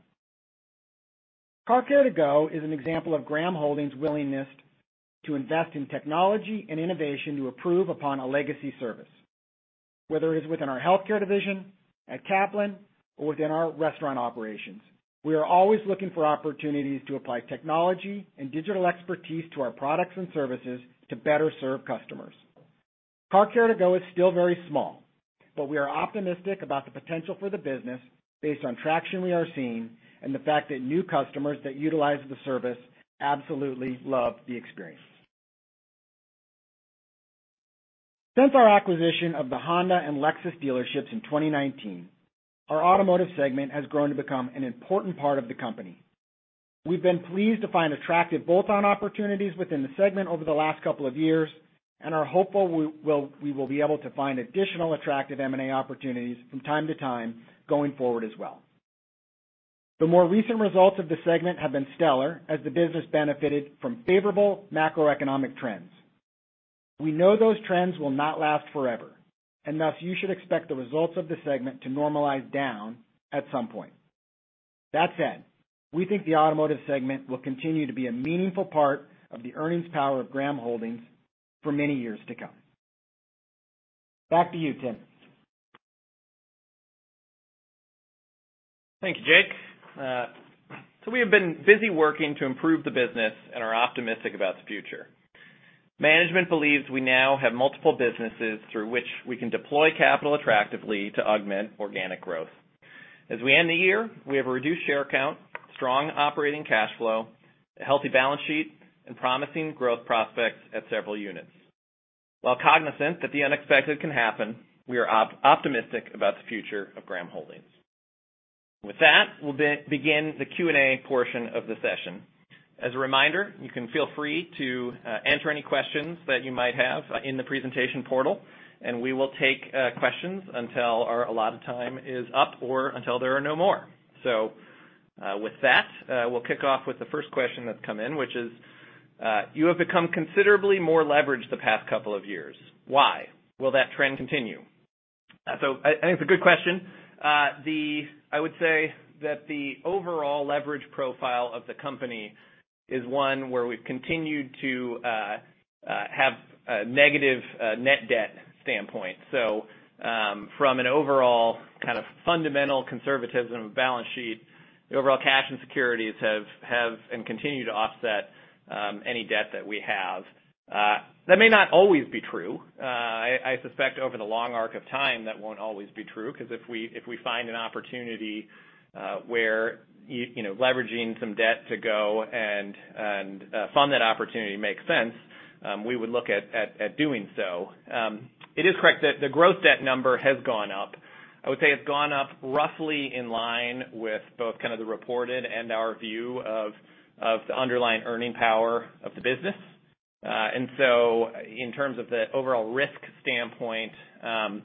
CarCare To Go is an example of Graham Holdings' willingness to invest in technology and innovation to improve upon a legacy service. Whether it is within our healthcare division, at Kaplan, or within our restaurant operations, we are always looking for opportunities to apply technology and digital expertise to our products and services to better serve customers. CarCare To Go is still very small, but we are optimistic about the potential for the business based on traction we are seeing and the fact that new customers that utilize the service absolutely love the experience. Since our acquisition of the Honda and Lexus dealerships in 2019, our automotive segment has grown to become an important part of the company. We've been pleased to find attractive bolt-on opportunities within the segment over the last couple of years and are hopeful we will be able to find additional attractive M&A opportunities from time to time going forward as well. The more recent results of the segment have been stellar as the business benefited from favorable macroeconomic trends. Thus you should expect the results of the segment to normalize down at some point. That said, we think the automotive segment will continue to be a meaningful part of the earnings power of Graham Holdings for many years to come. Back to you, Tim. Thank you, Jake. We have been busy working to improve the business and are optimistic about the future. Management believes we now have multiple businesses through which we can deploy capital attractively to augment organic growth. As we end the year, we have a reduced share count, strong operating cash flow, a healthy balance sheet, and promising growth prospects at several units. While cognizant that the unexpected can happen, we are optimistic about the future of Graham Holdings. With that, we'll begin the Q&A portion of the session. As a reminder, you can feel free to enter any questions that you might have in the presentation portal, we will take questions until our allotted time is up or until there are no more. With that, we'll kick off with the first question that's come in, which is, you have become considerably more leveraged the past couple of years. Why? Will that trend continue? I think it's a good question. I would say that the overall leverage profile of the company is one where we've continued to have a negative net debt standpoint. From an overall kind of fundamental conservatism of balance sheet, the overall cash and securities have and continue to offset any debt that we have. That may not always be true. I suspect over the long arc of time, that won't always be true, 'cause if we, if we find an opportunity, where you know, leveraging some debt to go and fund that opportunity makes sense, we would look at doing so. It is correct that the growth debt number has gone up. I would say it's gone up roughly in line with both kind of the reported and our view of the underlying earning power of the business. In terms of the overall risk standpoint, I,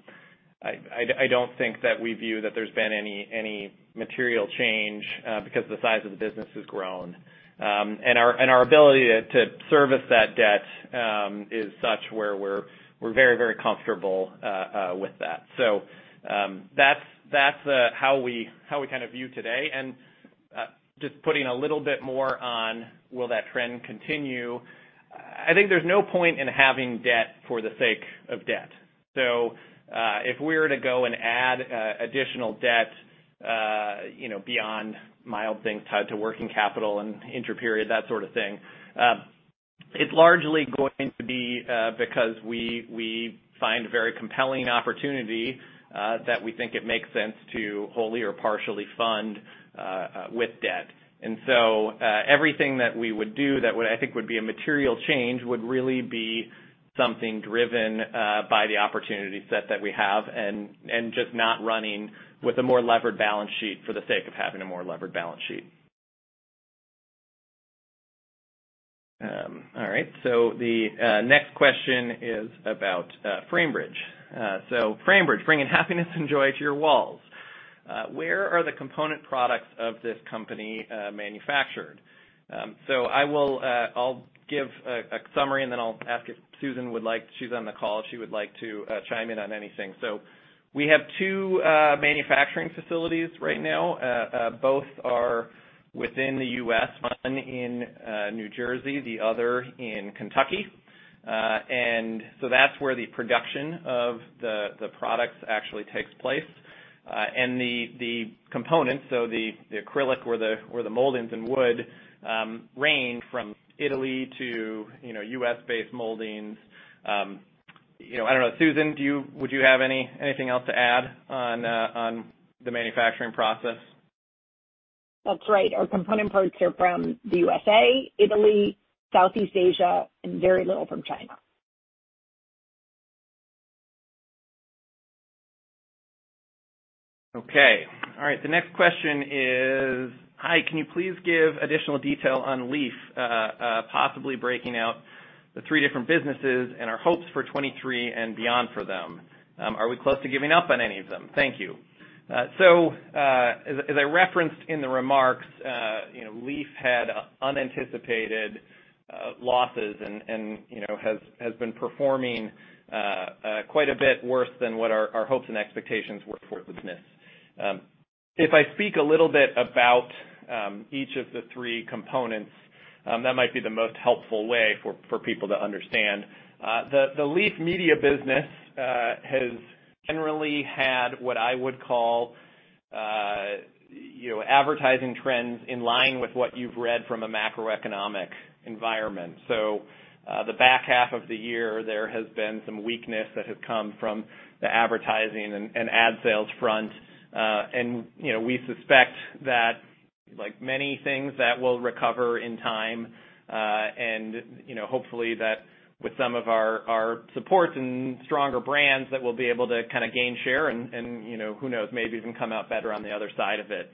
I don't think that we view that there's been any material change, because the size of the business has grown. Our, and our ability to service that debt, is such where we're very comfortable with that. That's how we kind of view today. Just putting a little bit more on will that trend continue, I think there's no point in having debt for the sake of debt. If we were to go and add additional debt, you know, beyond mild things tied to working capital and inter-period, that sort of thing, it's largely going to be because we find very compelling opportunity that we think it makes sense to wholly or partially fund with debt. Everything that we would do that would, I think would be a material change would really be something driven by the opportunity set that we have and just not running with a more levered balance sheet for the sake of having a more levered balance sheet. All right, the next question is about Framebridge. Framebridge, bringing happiness and joy to your walls. Where are the component products of this company manufactured? I will give a summary, and then I'll ask if Susan would like. She's on the call, if she would like to chime in on anything. We have two manufacturing facilities right now. Both are within the U.S., one in New Jersey, the other in Kentucky. That's where the production of the products actually takes place. The components, so the acrylic or the moldings and wood, range from Italy to, you know, U.S.-based moldings. You know, I don't know. Susan, would you have anything else to add on the manufacturing process? That's right. Our component parts are from the USA, Italy, Southeast Asia, and very little from China. Okay. All right, the next question is: Hi, can you please give additional detail on Leaf, possibly breaking out the three different businesses and our hopes for 2023 and beyond for them. Are we close to giving up on any of them? Thank you. As I referenced in the remarks, you know, Leaf had unanticipated losses and, you know, has been performing quite a bit worse than what our hopes and expectations were for the business. If I speak a little bit about each of the three components, that might be the most helpful way for people to understand. The Leaf Media business has generally had what I would call, you know, advertising trends in line with what you've read from a macroeconomic environment. The back half of the year, there has been some weakness that has come from the advertising and ad sales front. You know, we suspect that like many things, that will recover in time, and, you know, hopefully that with some of our support and stronger brands that we'll be able to kinda gain share and, you know, who knows, maybe even come out better on the other side of it.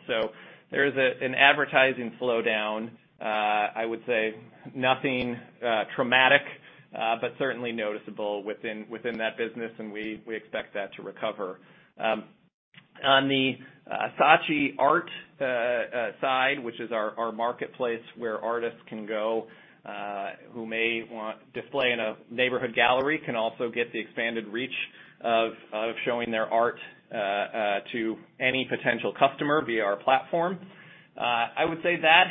There's an advertising slowdown. I would say nothing traumatic, but certainly noticeable within that business, and we expect that to recover. On the Saatchi Art side, which is our marketplace where artists can go, who may want display in a neighborhood gallery, can also get the expanded reach of showing their art to any potential customer via our platform. I would say that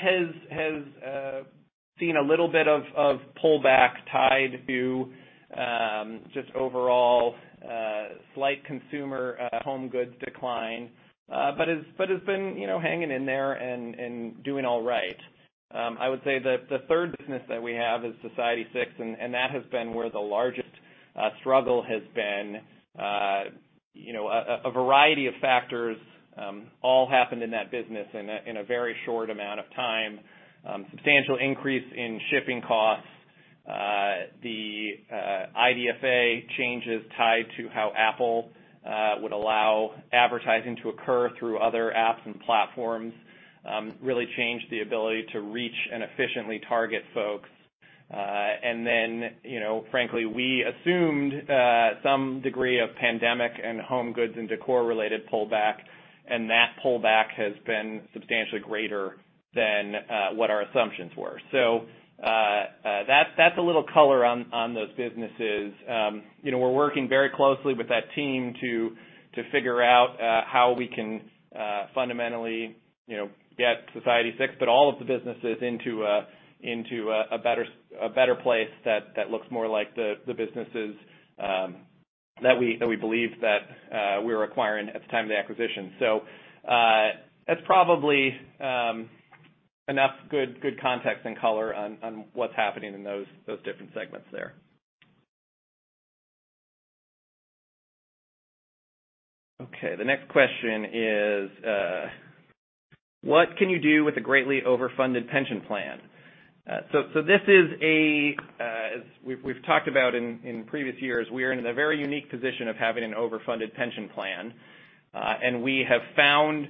has seen a little bit of pullback tied to just overall slight consumer home goods decline. Has been, you know, hanging in there and doing all right. I would say the third business that we have is Society6, and that has been where the largest struggle has been. You know, a variety of factors all happened in that business in a very short amount of time. Substantial increase in shipping costs, the IDFA changes tied to how Apple would allow advertising to occur through other apps and platforms, really changed the ability to reach and efficiently target folks. You know, frankly, we assumed some degree of pandemic and home goods and decor related pullback, and that pullback has been substantially greater than what our assumptions were. That's a little color on those businesses. You know, we're working very closely with that team to figure out how we can fundamentally, you know, get Society6, but all of the businesses into a better place that looks more like the businesses that we believed that we were acquiring at the time of the acquisition. That's probably enough good context and color on what's happening in those different segments there. The next question is, what can you do with a greatly overfunded pension plan? So, this is a, we've talked about in previous years, we are in a very unique position of having an overfunded pension plan, and we have found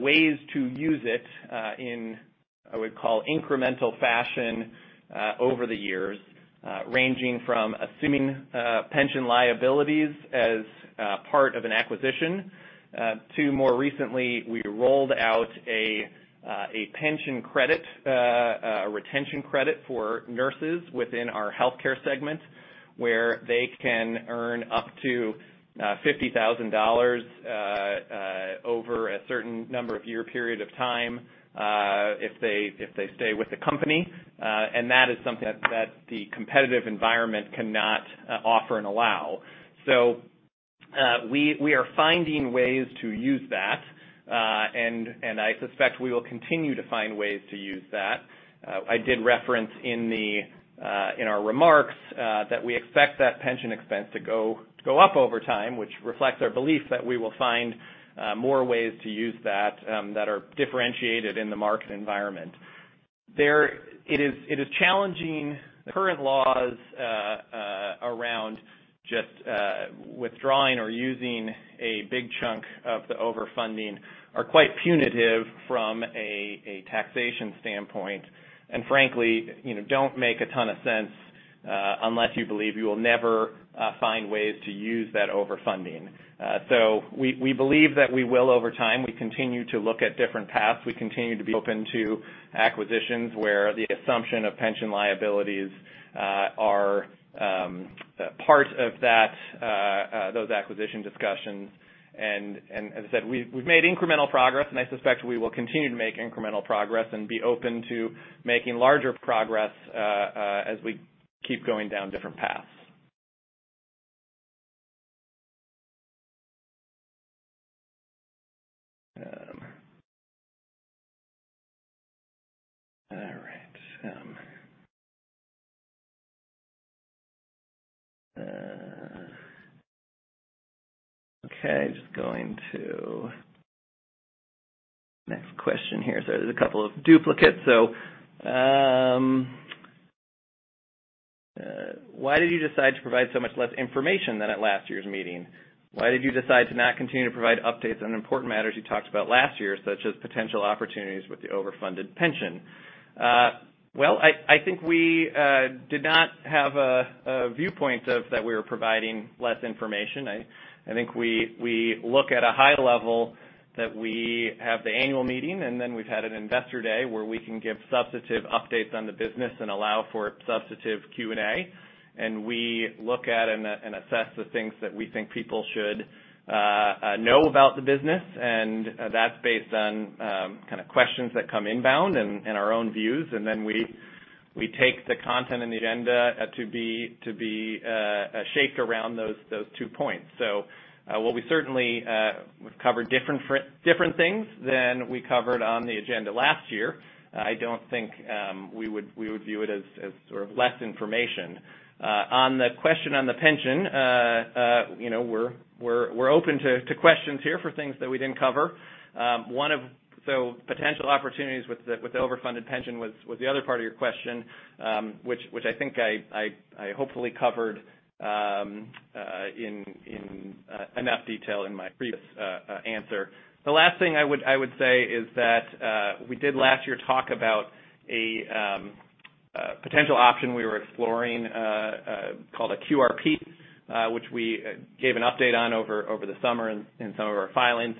ways to use it in, I would call incremental fashion, over the years, ranging from assuming pension liabilities as part of an acquisition, to more recently, we rolled out a pension credit, a retention credit for nurses within our healthcare segment, where they can earn up to $50,000 over a certain number of year period of time, if they stay with the company, and that is something that the competitive environment cannot offer and allow. We are finding ways to use that, and I suspect we will continue to find ways to use that. I did reference in our remarks that we expect that pension expense to go up over time, which reflects our belief that we will find more ways to use that that are differentiated in the market environment. It is challenging the current laws around just withdrawing or using a big chunk of the overfunding are quite punitive from a taxation standpoint. And frankly, you know, don't make a ton of sense unless you believe you will never find ways to use that overfunding. We believe that we will over time. We continue to look at different paths. We continue to be open to acquisitions where the assumption of pension liabilities are part of that those acquisition discussions. As I said, we've made incremental progress, and I suspect we will continue to make incremental progress and be open to making larger progress as we keep going down different paths. All right. Okay. Just going to next question here. There's a couple of duplicates. Why did you decide to provide so much less information than at last year's meeting? Why did you decide to not continue to provide updates on important matters you talked about last year, such as potential opportunities with the overfunded pension? Well, I think we did not have a viewpoint of that we were providing less information. I think we look at a high level that we have the annual meeting, then we've had an investor day where we can give substantive updates on the business and allow for substantive Q&A. We look at and assess the things that we think people should know about the business, and that's based on kind of questions that come inbound and our own views. Then we take the content and the agenda to be shaped around those two points. While we certainly would cover different things than we covered on the agenda last year, I don't think we would view it as sort of less information. On the question on the pension, you know, we're open to questions here for things that we didn't cover. Potential opportunities with the overfunded pension was the other part of your question, which I think I hopefully covered in enough detail in my previous answer. The last thing I would say is that we did last year talk about a potential option we were exploring called a QRP, which we gave an update on over the summer in some of our filings.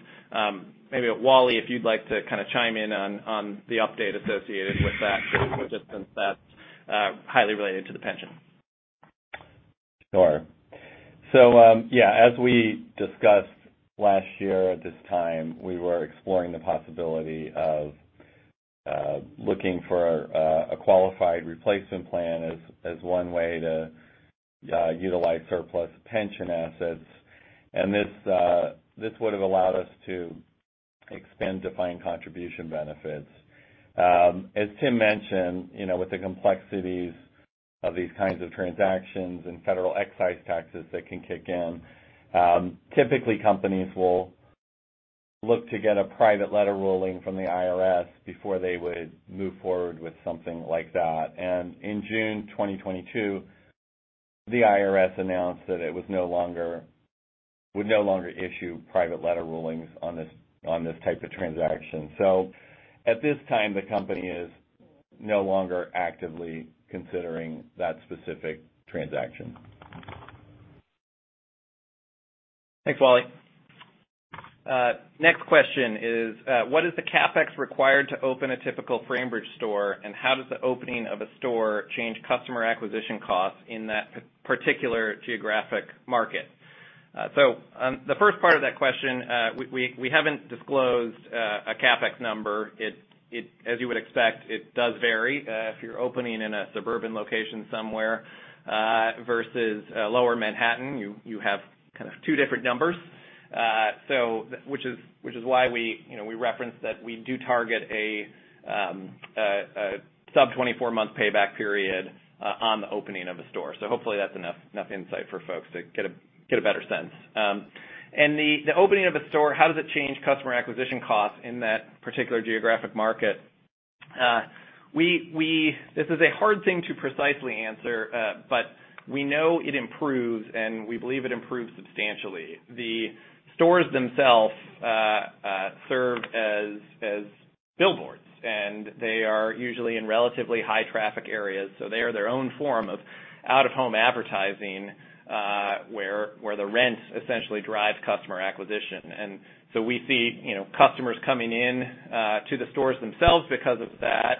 Maybe, Wally, if you'd like to kind of chime in on the update associated with that, just since that's highly related to the pension. Sure. As we discussed last year at this time, we were exploring the possibility of looking for a qualified replacement plan as one way to utilize surplus pension assets. This would have allowed us to extend defined contribution benefits. As Tim mentioned, you know, with the complexities of these kinds of transactions and federal excise taxes that can kick in, typically companies will look to get a private letter ruling from the IRS before they would move forward with something like that. In June 2022, the IRS announced that it would no longer issue private letter rulings on this type of transaction. At this time, the company is no longer actively considering that specific transaction. Thanks, Wally. Next question is, what is the CapEx required to open a typical Framebridge store, and how does the opening of a store change customer acquisition costs in that particular geographic market? The first part of that question, we haven't disclosed a CapEx number. As you would expect, it does vary. If you're opening in a suburban location somewhere, versus lower Manhattan, you have kind of two different numbers. Which is why we, you know, we reference that we do target a sub-24-month payback period on the opening of a store. Hopefully that's enough insight for folks to get a better sense. The opening of a store, how does it change customer acquisition costs in that particular geographic market? This is a hard thing to precisely answer, but we know it improves, and we believe it improves substantially. The stores themselves serve as billboards, and they are usually in relatively high traffic areas, so they are their own form of out-of-home advertising, where the rent essentially drives customer acquisition. We see, you know, customers coming in to the stores themselves because of that,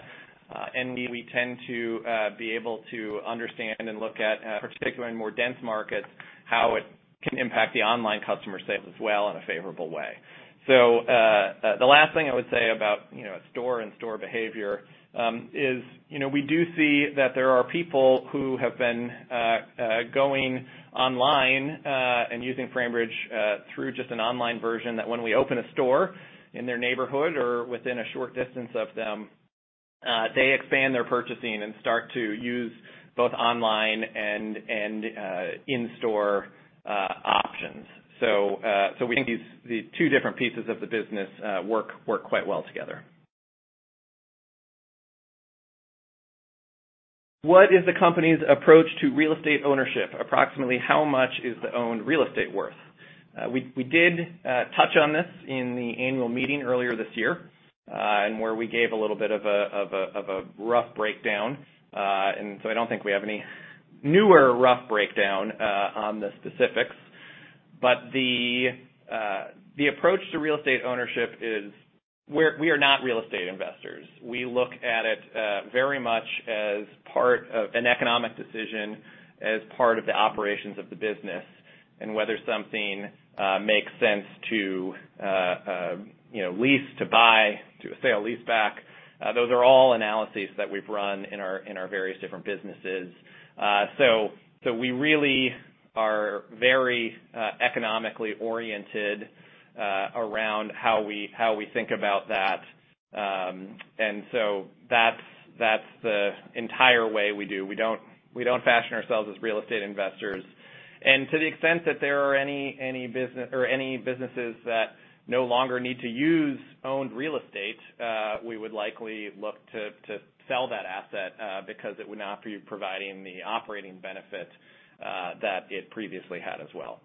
and we tend to be able to understand and look at particularly in more dense markets, how it can impact the online customer sales as well in a favorable way. The last thing I would say about, you know, a store and store behavior, you know, is we do see that there are people who have been going online and using Framebridge through just an online version that when we open a store in their neighborhood or within a short distance of them, they expand their purchasing and start to use both online and in-store options. We think these two different pieces of the business work quite well together. What is the company's approach to real estate ownership? Approximately how much is the owned real estate worth? We did touch on this in the annual meeting earlier this year and where we gave a little bit of a rough breakdown. I don't think we have any newer rough breakdown on the specifics. The approach to real estate ownership is we are not real estate investors. We look at it, very much as part of an economic decision as part of the operations of the business, and whether something makes sense to, you know, lease to buy, to sell, lease back. Those are all analyses that we've run in our various different businesses. We really are very economically oriented around how we, how we think about that. That's the entire way we do. We don't fashion ourselves as real estate investors. To the extent that there are any businesses that no longer need to use owned real estate, we would likely look to sell that asset, because it would not be providing the operating benefit that it previously had as well.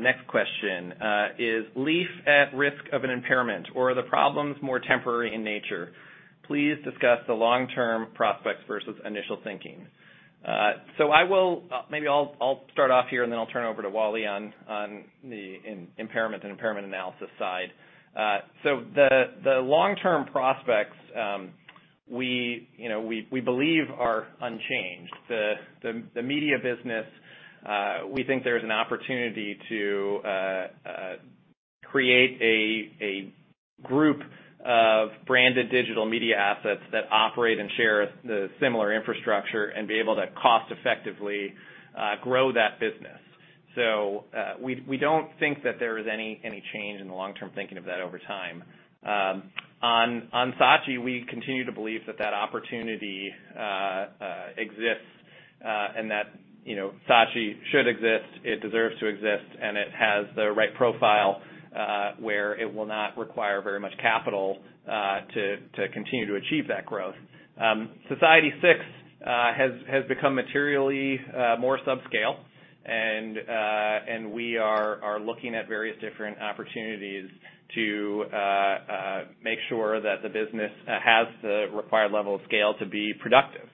Next question. Is Leaf at risk of an impairment or are the problems more temporary in nature? Please discuss the long-term prospects versus initial thinking. Maybe I'll start off here, and then I'll turn over to Wally on the impairment and impairment analysis side. The long-term prospects, you know, we believe are unchanged. The media business, we think there's an opportunity to create a group of branded digital media assets that operate and share a similar infrastructure and be able to cost-effectively grow that business. We don't think that there is any change in the long-term thinking of that over time. On Saatchi, we continue to believe that that opportunity exists, and that, you know, Saatchi should exist, it deserves to exist, and it has the right profile, where it will not require very much capital to continue to achieve that growth. Society6 has become materially more subscale and we are looking at various different opportunities to make sure that the business has the required level of scale to be productive.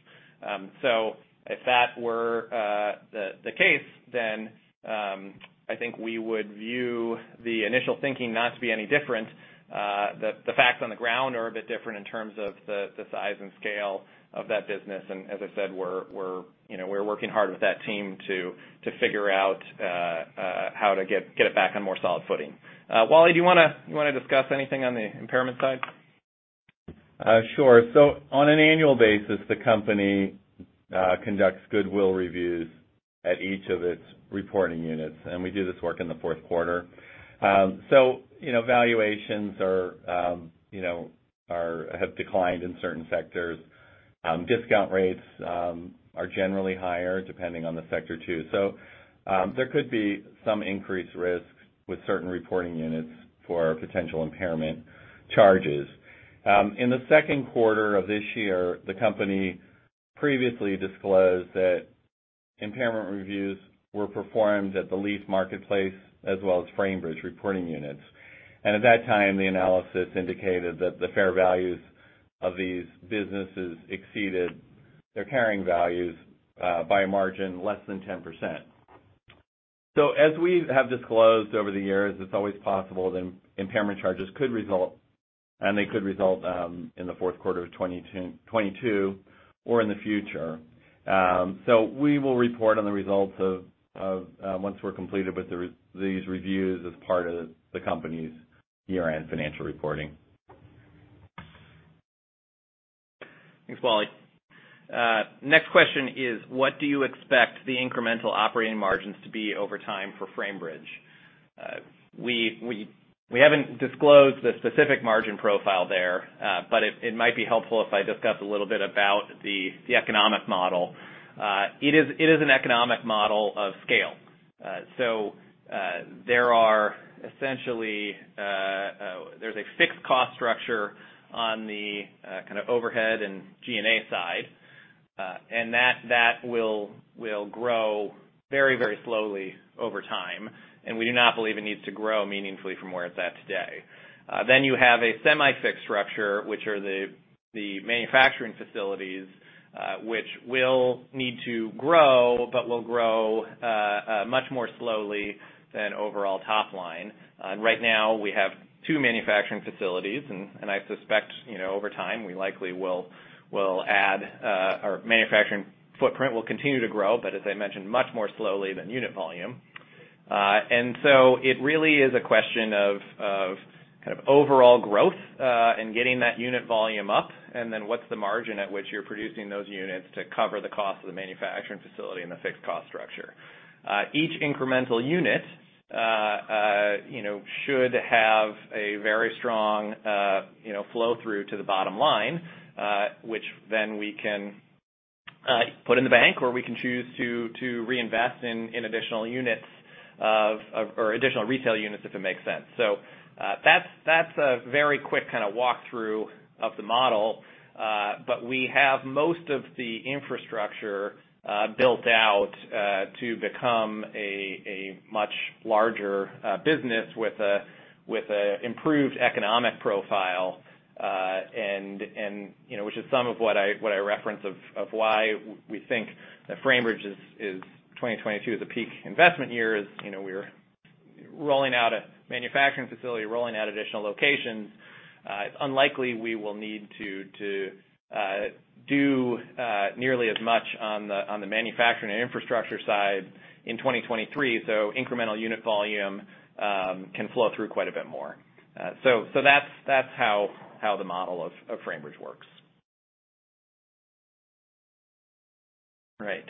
If that were the case, then I think we would view the initial thinking not to be any different, the facts on the ground are a bit different in terms of the size and scale of that business. As I said, we're you know, we're working hard with that team to figure out how to get it back on more solid footing. Wally, do you wanna discuss anything on the impairment side? Sure. On an annual basis, the company conducts goodwill reviews at each of its reporting units, and we do this work in the fourth quarter. You know, valuations are, you know, have declined in certain sectors. Discount rates are generally higher depending on the sector too. There could be some increased risks with certain reporting units for potential impairment charges. In the second quarter of this year, the company previously disclosed that impairment reviews were performed at the Leaf Marketplace as well as Framebridge reporting units. At that time, the analysis indicated that the fair values of these businesses exceeded their carrying values by a margin less than 10%. As we have disclosed over the years, it's always possible that impairment charges could result, and they could result in the fourth quarter of 2022 or in the future. We will report on the results of once we're completed with these reviews as part of the company's year-end financial reporting. Thanks, Wally. Next question is, what do you expect the incremental operating margins to be over time for Framebridge? We haven't disclosed the specific margin profile there, but it might be helpful if I discuss a little bit about the economic model. It is an economic model of scale. There are essentially, there's a fixed cost structure on the kind of overhead and G&A side, that will grow very, very slowly over time. We do not believe it needs to grow meaningfully from where it's at today. You have a semi-fixed structure, which are the manufacturing facilities, which will need to grow, but will grow much more slowly than overall top line. Right now we have two manufacturing facilities and I suspect, you know, over time, we likely will add, our manufacturing footprint will continue to grow, but as I mentioned, much more slowly than unit volume. It really is a question of kind of overall growth, and getting that unit volume up, and then what's the margin at which you're producing those units to cover the cost of the manufacturing facility and the fixed cost structure. Each incremental unit, you know, should have a very strong, you know, flow through to the bottom line, which then we can put in the bank or we can choose to reinvest in additional units of or additional retail units if it makes sense. That's a very quick kind of walkthrough of the model. We have most of the infrastructure built out to become a much larger business with a improved economic profile, and, you know, which is some of what I, what I reference of why we think that Framebridge is 2022 is a peak investment year is, you know, we're rolling out a manufacturing facility, rolling out additional locations. It's unlikely we will need to do nearly as much on the manufacturing and infrastructure side in 2023. Incremental unit volume can flow through quite a bit more. That's how the model of Framebridge works. Right.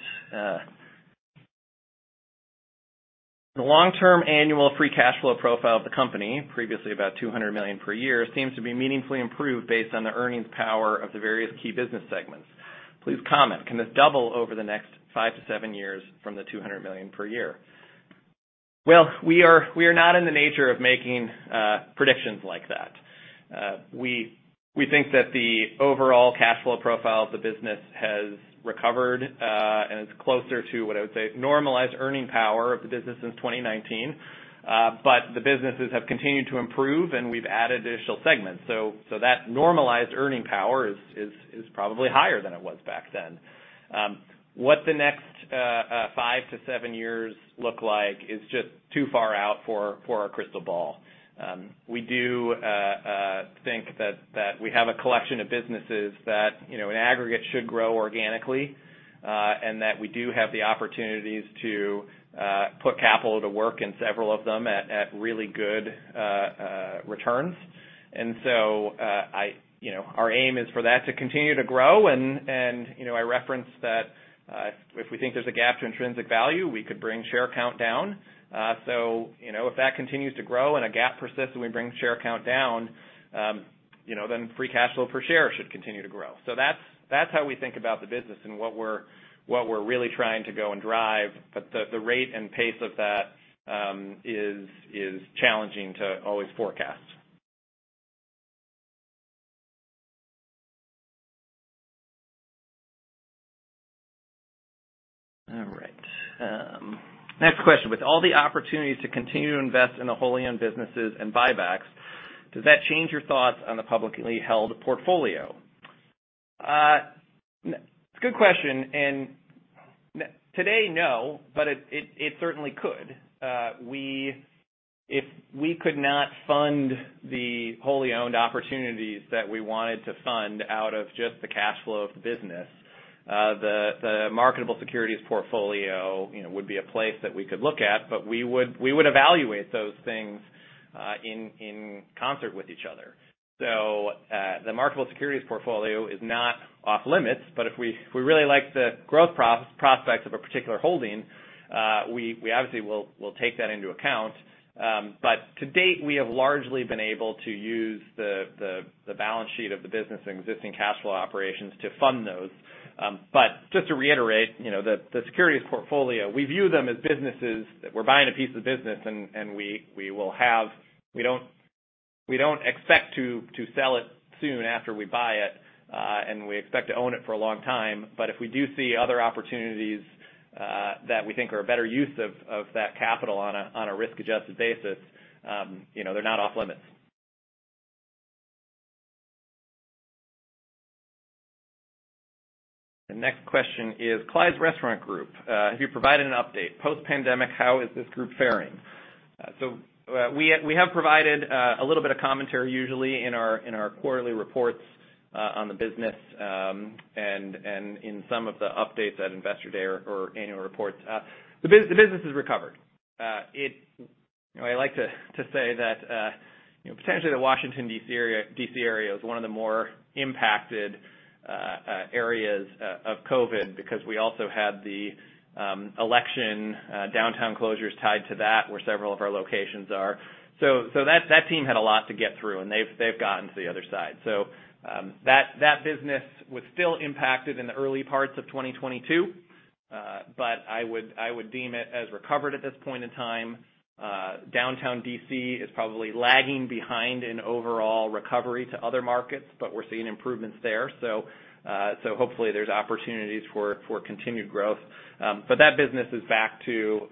The long-term annual free cash flow profile of the company, previously about $200 million per year, seems to be meaningfully improved based on the earnings power of the various key business segments. Please comment. Can this double over the next five to seven years from the $200 million per year? We are not in the nature of making predictions like that. We think that the overall cash flow profile of the business has recovered and is closer to what I would say normalized earning power of the business since 2019. The businesses have continued to improve, and we've added additional segments. That normalized earning power is probably higher than it was back then. What the next five to seven years look like is just too far out for our crystal ball. We do think that we have a collection of businesses that, you know, in aggregate should grow organically, and that we do have the opportunities to put capital to work in several of them at really good returns. You know, our aim is for that to continue to grow and, you know, I referenced that if we think there's a gap to intrinsic value, we could bring share count down. You know, if that continues to grow and a gap persists and we bring share count down, you know, free cash flow per share should continue to grow. That's how we think about the business and what we're really trying to go and drive. The rate and pace of that is challenging to always forecast. All right. Next question: With all the opportunities to continue to invest in the wholly owned businesses and buybacks, does that change your thoughts on the publicly held portfolio? Good question, and today, no, but it certainly could. If we could not fund the wholly owned opportunities that we wanted to fund out of just the cash flow of the business, the marketable securities portfolio, you know, would be a place that we could look at, but we would evaluate those things in concert with each other. The marketable securities portfolio is not off-limits, but if we really like the growth prospects of a particular holding, we obviously will take that into account. To date, we have largely been able to use the balance sheet of the business and existing cash flow operations to fund those. Just to reiterate, you know, the securities portfolio, we view them as businesses. We're buying a piece of business, and we don't expect to sell it soon after we buy it, and we expect to own it for a long time. If we do see other opportunities that we think are a better use of that capital on a risk-adjusted basis, you know, they're not off-limits. The next question is Clyde's Restaurant Group. Have you provided an update? Post-pandemic, how is this group faring? We have provided a little bit of commentary usually in our quarterly reports on the business, and in some of the updates at Investor Day or annual reports. The business has recovered. You know, I like to say that, you know, potentially the Washington D.C. area was one of the more impacted areas of COVID because we also had the election, downtown closures tied to that, where several of our locations are. That team had a lot to get through, and they've gotten to the other side. That business was still impacted in the early parts of 2022, but I would deem it as recovered at this point in time. Downtown D.C. is probably lagging behind in overall recovery to other markets, but we're seeing improvements there. Hopefully there's opportunities for continued growth. But that business is back to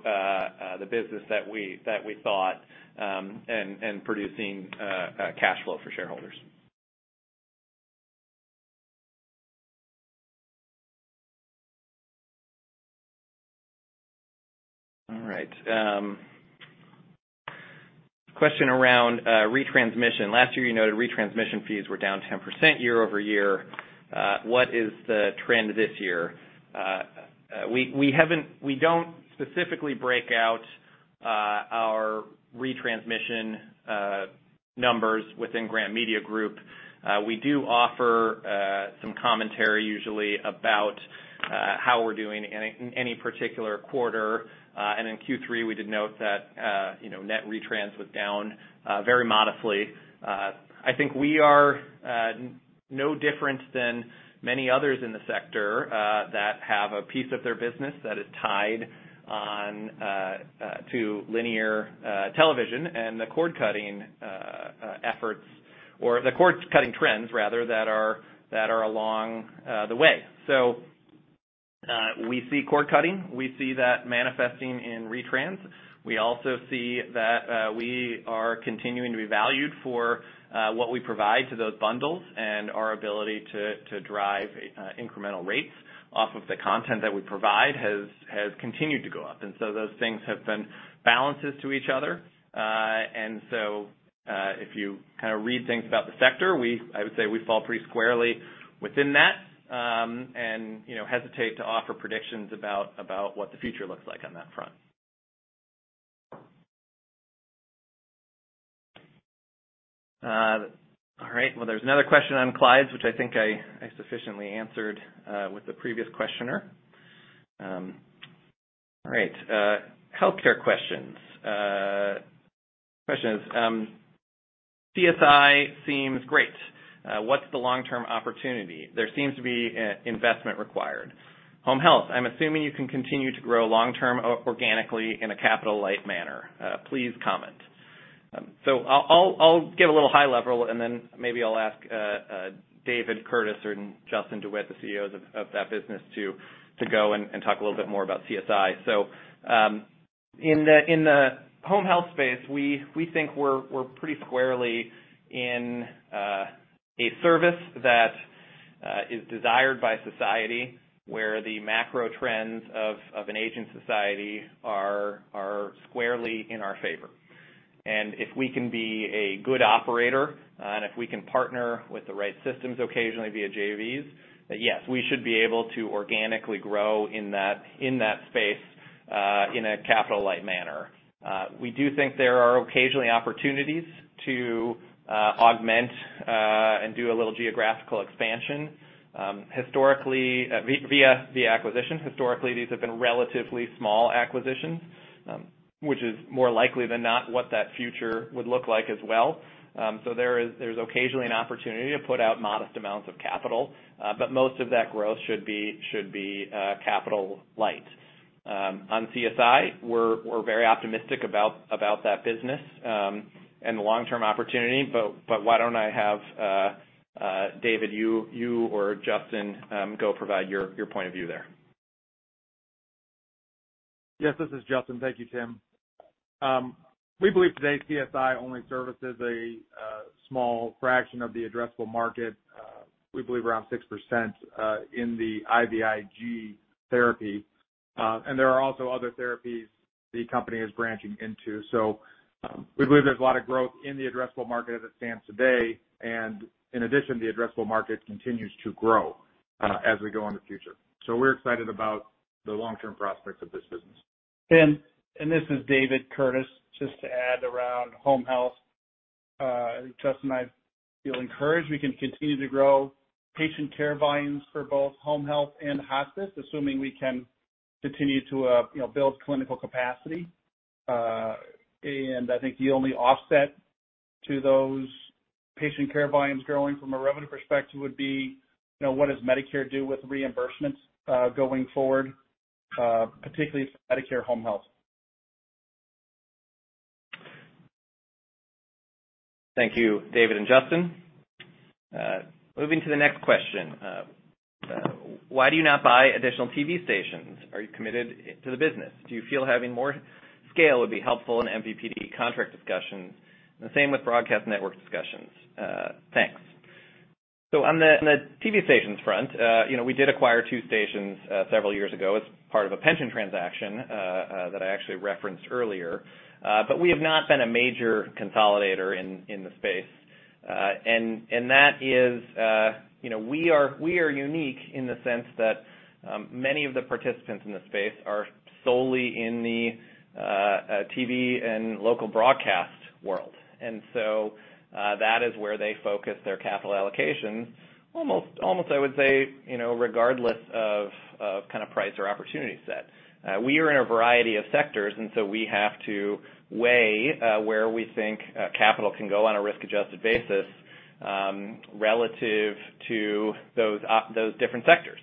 the business that we thought, and producing cash flow for shareholders. All right. Question around retransmission. Last year you noted retransmission fees were down 10% year-over-year. What is the trend this year? We don't specifically break out our retransmission numbers within Graham Media Group. We do offer some commentary usually about how we're doing in any particular quarter. In Q3, we did note that, you know, net retrans was down very modestly. I think we are no different than many others in the sector that have a piece of their business that is tied on to linear television and the cord-cutting efforts or the cord-cutting trends rather, that are along the way. We see cord cutting. We see that manifesting in retrans. We also see that we are continuing to be valued for what we provide to those bundles and our ability to drive incremental rates off of the content that we provide has continued to go up. Those things have been balances to each other. If you kind of read things about the sector, I would say we fall pretty squarely within that, you know, hesitate to offer predictions about what the future looks like on that front. All right. Well, there's another question on Clyde's, which I think I sufficiently answered with the previous questioner. All right. Healthcare questions. Question is, "CSI seems great. What's the long-term opportunity? There seems to be investment required. Home health, I'm assuming you can continue to grow long-term organically in a capital-light manner. Please comment." I'll give a little high level, and then maybe I'll ask David Curtis or Justin DeWitte, the CEOs of that business to go and talk a little bit more about CSI. In the home health space, we think we're pretty squarely in a service that is desired by society, where the macro trends of an aging society are squarely in our favor. If we can be a good operator, and if we can partner with the right systems occasionally via JVs, then yes, we should be able to organically grow in that, in that space, in a capital-light manner. We do think there are occasionally opportunities to augment and do a little geographical expansion. Historically-- via the acquisitions, historically, these have been relatively small acquisitions, which is more likely than not what that future would look like as well. There is, there's occasionally an opportunity to put out modest amounts of capital, but most of that growth should be capital light. On CSI, we're very optimistic about that business and the long-term opportunity. Why don't I have David, you or Justin go provide your point of view there. Yes, this is Justin. Thank you, Tim. We believe today CSI only services a small fraction of the addressable market, we believe around 6%, in the IVIG therapy. There are also other therapies the company is branching into. We believe there's a lot of growth in the addressable market as it stands today. In addition, the addressable market continues to grow, as we go in the future. We're excited about the long-term prospects of this business. Tim, this is David Curtis. Just to add around home health, Justin and I feel encouraged we can continue to grow patient care volumes for both home health and hospice, assuming we can continue to, you know, build clinical capacity. I think the only offset to those patient care volumes growing from a revenue perspective would be, you know, what does Medicare do with reimbursements going forward, particularly for Medicare home health? Thank you, David and Justin. Moving to the next question. Why do you not buy additional TV stations? Are you committed to the business? Do you feel having more scale would be helpful in MVPD contract discussions? The same with broadcast network discussions. Thanks. On the TV stations front, you know, we did acquire two stations several years ago as part of a pension transaction that I actually referenced earlier. We have not been a major consolidator in the space. That is, you know, we are unique in the sense that many of the participants in the space are solely in the TV and local broadcast world. That is where they focus their capital allocation almost I would say, you know, regardless of kind of price or opportunity set. We are in a variety of sectors, and so we have to weigh where we think capital can go on a risk-adjusted basis, relative to those different sectors.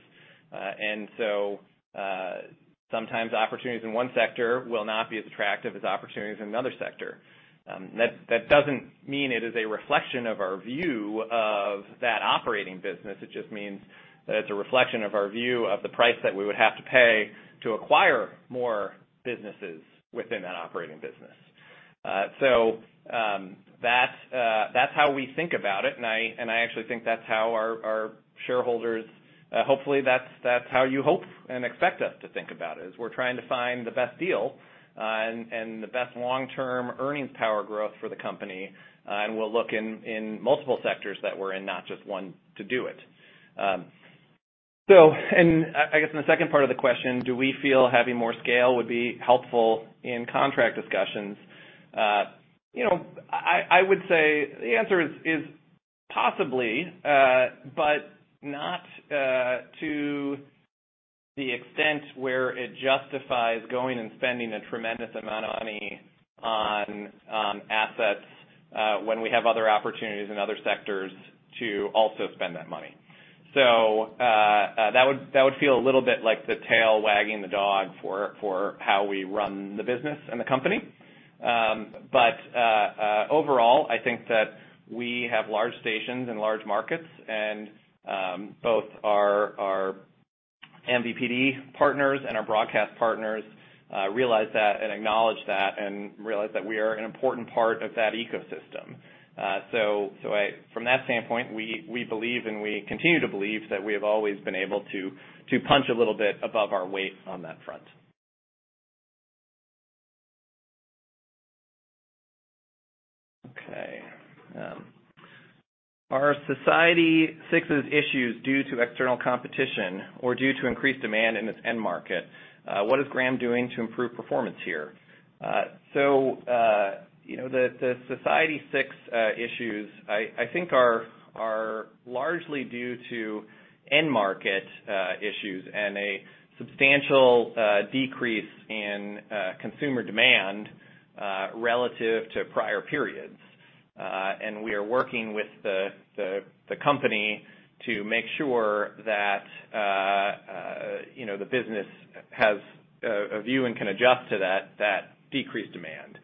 Sometimes opportunities in one sector will not be as attractive as opportunities in another sector. That doesn't mean it is a reflection of our view of that operating business. It just means that it's a reflection of our view of the price that we would have to pay to acquire more businesses within that operating business. That's how we think about it. I actually think that's how our shareholders... Hopefully that's how you hope and expect us to think about it, is we're trying to find the best deal, and the best long-term earnings power growth for the company, and we'll look in multiple sectors that we're in, not just one to do it. I guess in the second part of the question, do we feel having more scale would be helpful in contract discussions? You know, I would say the answer is possibly, but not to the extent where it justifies going and spending a tremendous amount of money on assets, when we have other opportunities in other sectors to also spend that money. That would feel a little bit like the tail wagging the dog for how we run the business and the company. Overall, I think that we have large stations and large markets and both our MVPD partners and our broadcast partners realize that and acknowledge that and realize that we are an important part of that ecosystem. From that standpoint, we believe and we continue to believe that we have always been able to punch a little bit above our weight on that front. Okay. Are Society6's issues due to external competition or due to increased demand in its end market? What is Graham doing to improve performance here? You know, the Society6 issues, I think are largely due to end market issues and a substantial decrease in consumer demand relative to prior periods. We are working with the company to make sure that, you know, the business has a view and can adjust to that decreased demand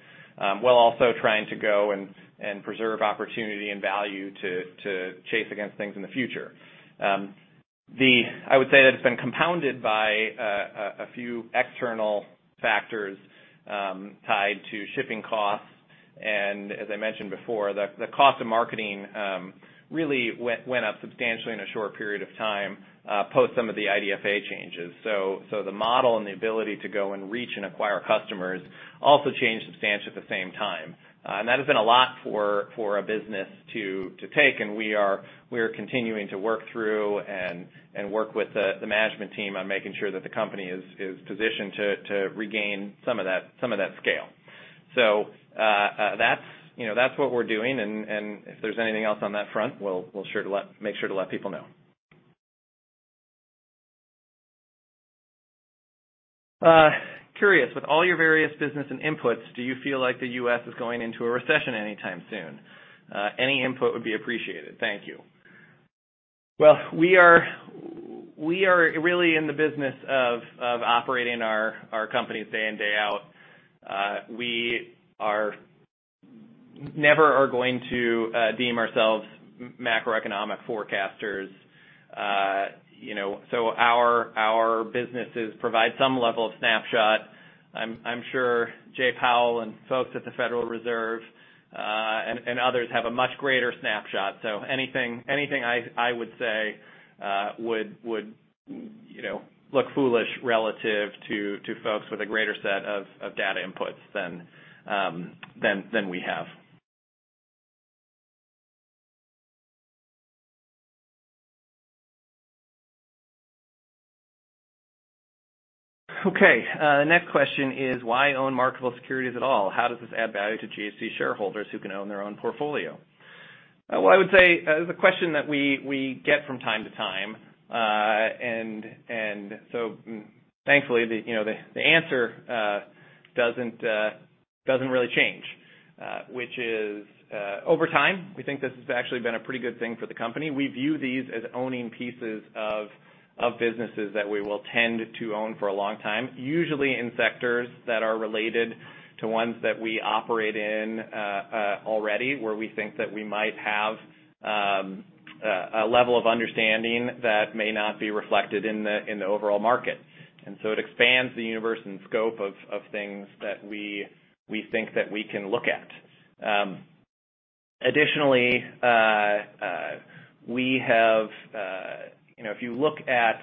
while also trying to go and preserve opportunity and value to chase against things in the future. I would say that it's been compounded by a few external factors tied to shipping costs, and as I mentioned before, the cost of marketing really went up substantially in a short period of time post some of the IDFA changes. The model and the ability to go and reach and acquire customers also changed substantially at the same time. That has been a lot for a business to take, and we are continuing to work through and work with the management team on making sure that the company is positioned to regain some of that scale. That's, you know, that's what we're doing and if there's anything else on that front, we'll make sure to let people know. Curious, with all your various business and inputs, do you feel like the U.S. is going into a recession anytime soon? Any input would be appreciated. Thank you. Well, we are really in the business of operating our companies day in, day out. We are never going to deem ourselves macroeconomic forecasters. You know, our businesses provide some level of snapshot. I'm sure Jay Powell and folks at the Federal Reserve and others have a much greater snapshot. Anything I would say would, you know, look foolish relative to folks with a greater set of data inputs than we have. Okay. Next question is why own marketable securities at all? How does this add value to GHC shareholders who can own their own portfolio? Well, I would say the question that we get from time to time, and thankfully, the, you know, the answer doesn't really change, which is over time, we think this has actually been a pretty good thing for the company. We view these as owning pieces of businesses that we will tend to own for a long time, usually in sectors that are related to ones that we operate in already, where we think that we might have a level of understanding that may not be reflected in the overall market. It expands the universe and scope of things that we think that we can look at. Additionally, you know, if you look at,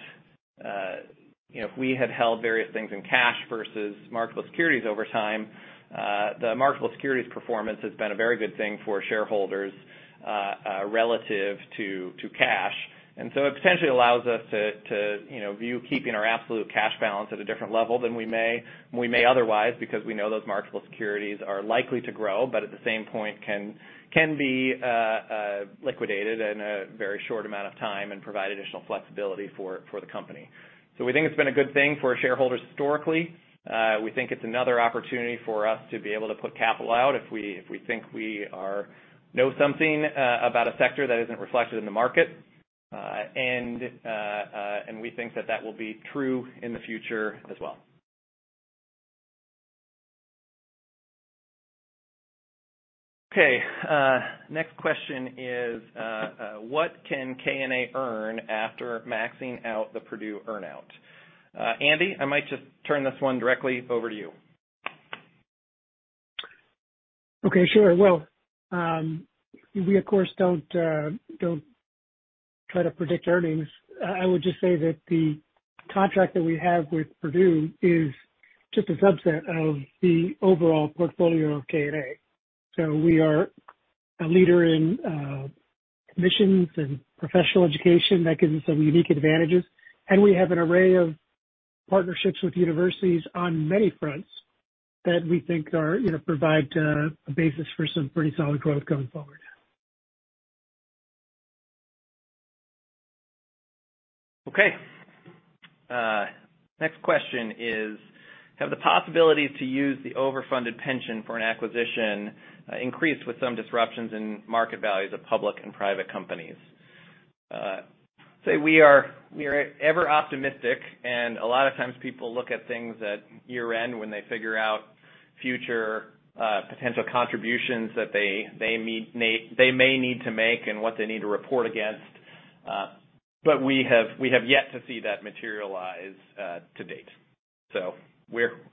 you know, if we have held various things in cash versus marketable securities over time, the marketable securities performance has been a very good thing for shareholders relative to cash. It potentially allows us to, you know, view keeping our absolute cash balance at a different level than we may otherwise because we know those marketable securities are likely to grow, but at the same point can be liquidated in a very short amount of time and provide additional flexibility for the company. We think it's been a good thing for our shareholders historically. We think it's another opportunity for us to be able to put capital out if we think we are know something about a sector that isn't reflected in the market. And we think that that will be true in the future as well. Okay. Next question is, what can KNA earn after maxing out the Purdue earn-out? Andy, I might just turn this one directly over to you. Okay, sure. I will. We of course don't try to predict earnings. I would just say that the contract that we have with Purdue is just a subset of the overall portfolio of KNA. We are a leader in commissions and professional education that gives us some unique advantages. We have an array of partnerships with universities on many fronts that we think are, you know, provide a basis for some pretty solid growth going forward. Okay. Next question is, have the possibilities to use the overfunded pension for an acquisition increased with some disruptions in market values of public and private companies? Say we are ever optimistic, and a lot of times people look at things at year-end when they figure out future potential contributions that they may need to make and what they need to report against. We have yet to see that materialize to date.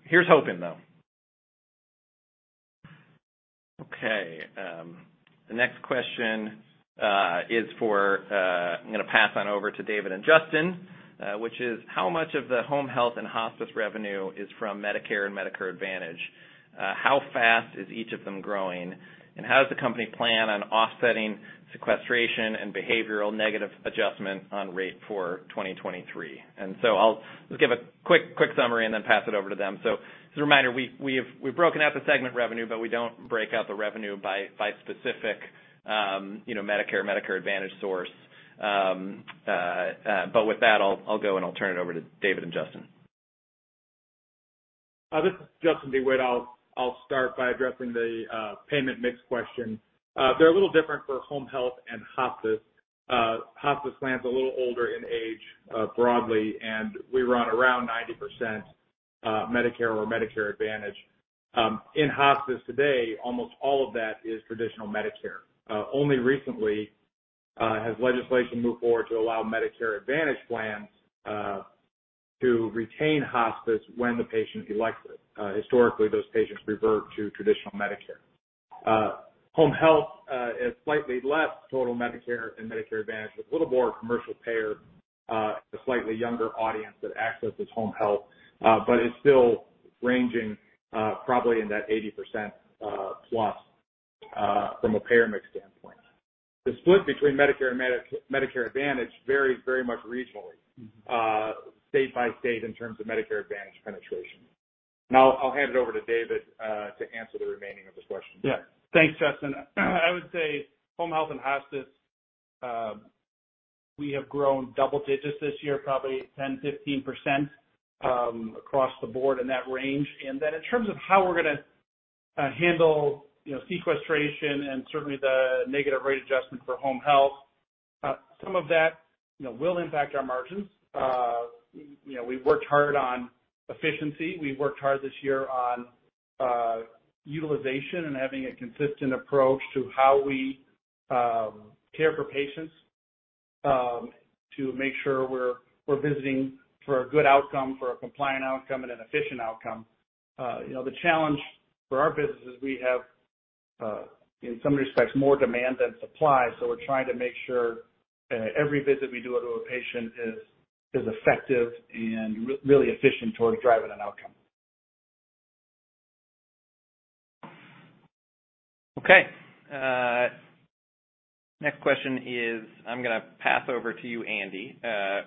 Here's hoping, though. Okay. The next question is for, I'm gonna pass on over to David and Justin. Which is how much of the home health and hospice revenue is from Medicare and Medicare Advantage? How fast is each of them growing? How does the company plan on offsetting sequestration and behavioral negative adjustment on rate for 2023? I'll just give a quick summary and then pass it over to them. As a reminder, we've broken out the segment revenue, but we don't break out the revenue by specific, you know, Medicare Advantage source. With that, I'll go, and I'll turn it over to David and Justin. This is Justin DeWitte. I'll start by addressing the payment mix question. They're a little different for home health and hospice. Hospice plans are a little older in age, broadly, and we run around 90%, Medicare or Medicare Advantage. In hospice today, almost all of that is traditional Medicare. Only recently has legislation moved forward to allow Medicare Advantage plans to retain hospice when the patient elects it. Historically, those patients revert to traditional Medicare. Home health is slightly less total Medicare and Medicare Advantage, with a little more commercial payer, a slightly younger audience that accesses home health. It's still ranging, probably in that 80% plus, from a payer mix standpoint. The split between Medicare and Medicare Advantage varies very much regionally, state by state in terms of Medicare Advantage penetration. I'll hand it over to David to answer the remaining of this question. Yeah. Thanks, Justin. I would say home health and hospice, we have grown double digits this year, probably 10%, 15%, across the board in that range. In terms of how we're gonna handle, you know, sequestration and certainly the behavioral negative adjustment for home health, some of that, you know, will impact our margins. You know, we've worked hard on efficiency. We've worked hard this year on utilization and having a consistent approach to how we care for patients, to make sure we're visiting for a good outcome, for a compliant outcome, and an efficient outcome. You know, the challenge for our business is we have, in some respects, more demand than supply, so we're trying to make sure every visit we do to a patient is effective and really efficient towards driving an outcome. Okay. Next question is I'm gonna pass over to you, Andy,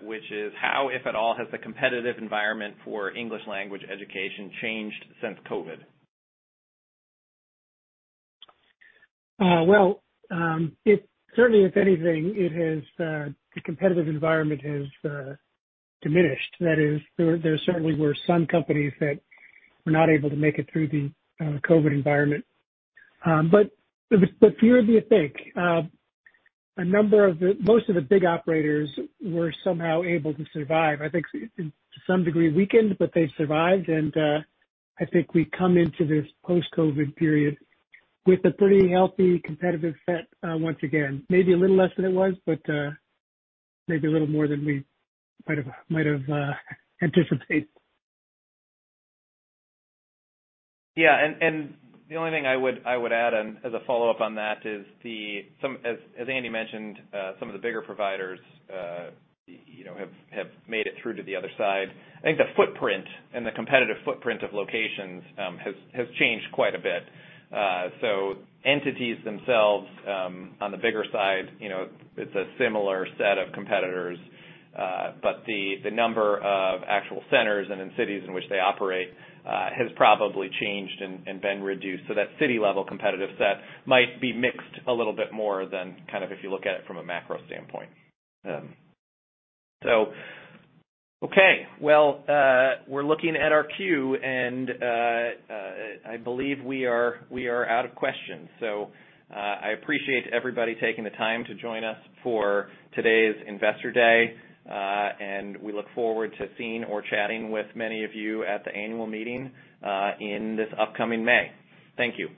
which is how, if at all, has the competitive environment for English language education changed since COVID? Well, it certainly if anything, the competitive environment has diminished. That is, there certainly were some companies that were not able to make it through the COVID environment. The fewer the thick. Most of the big operators were somehow able to survive. I think to some degree weakened, but they've survived, and I think we come into this post-COVID period with a pretty healthy competitive set once again. Maybe a little less than it was, but maybe a little more than we might've anticipated. Yeah. The only thing I would add on as a follow-up on that is as Andy mentioned, some of the bigger providers, you know, have made it through to the other side. I think the footprint and the competitive footprint of locations has changed quite a bit. Entities themselves on the bigger side, you know, it's a similar set of competitors, but the number of actual centers and in cities in which they operate has probably changed and been reduced. That city-level competitive set might be mixed a little bit more than kind of if you look at it from a macro standpoint. Okay. Well, we're looking at our queue, and I believe we are out of questions. I appreciate everybody taking the time to join us for today's Investor Day. We look forward to seeing or chatting with many of you at the annual meeting in this upcoming May. Thank you.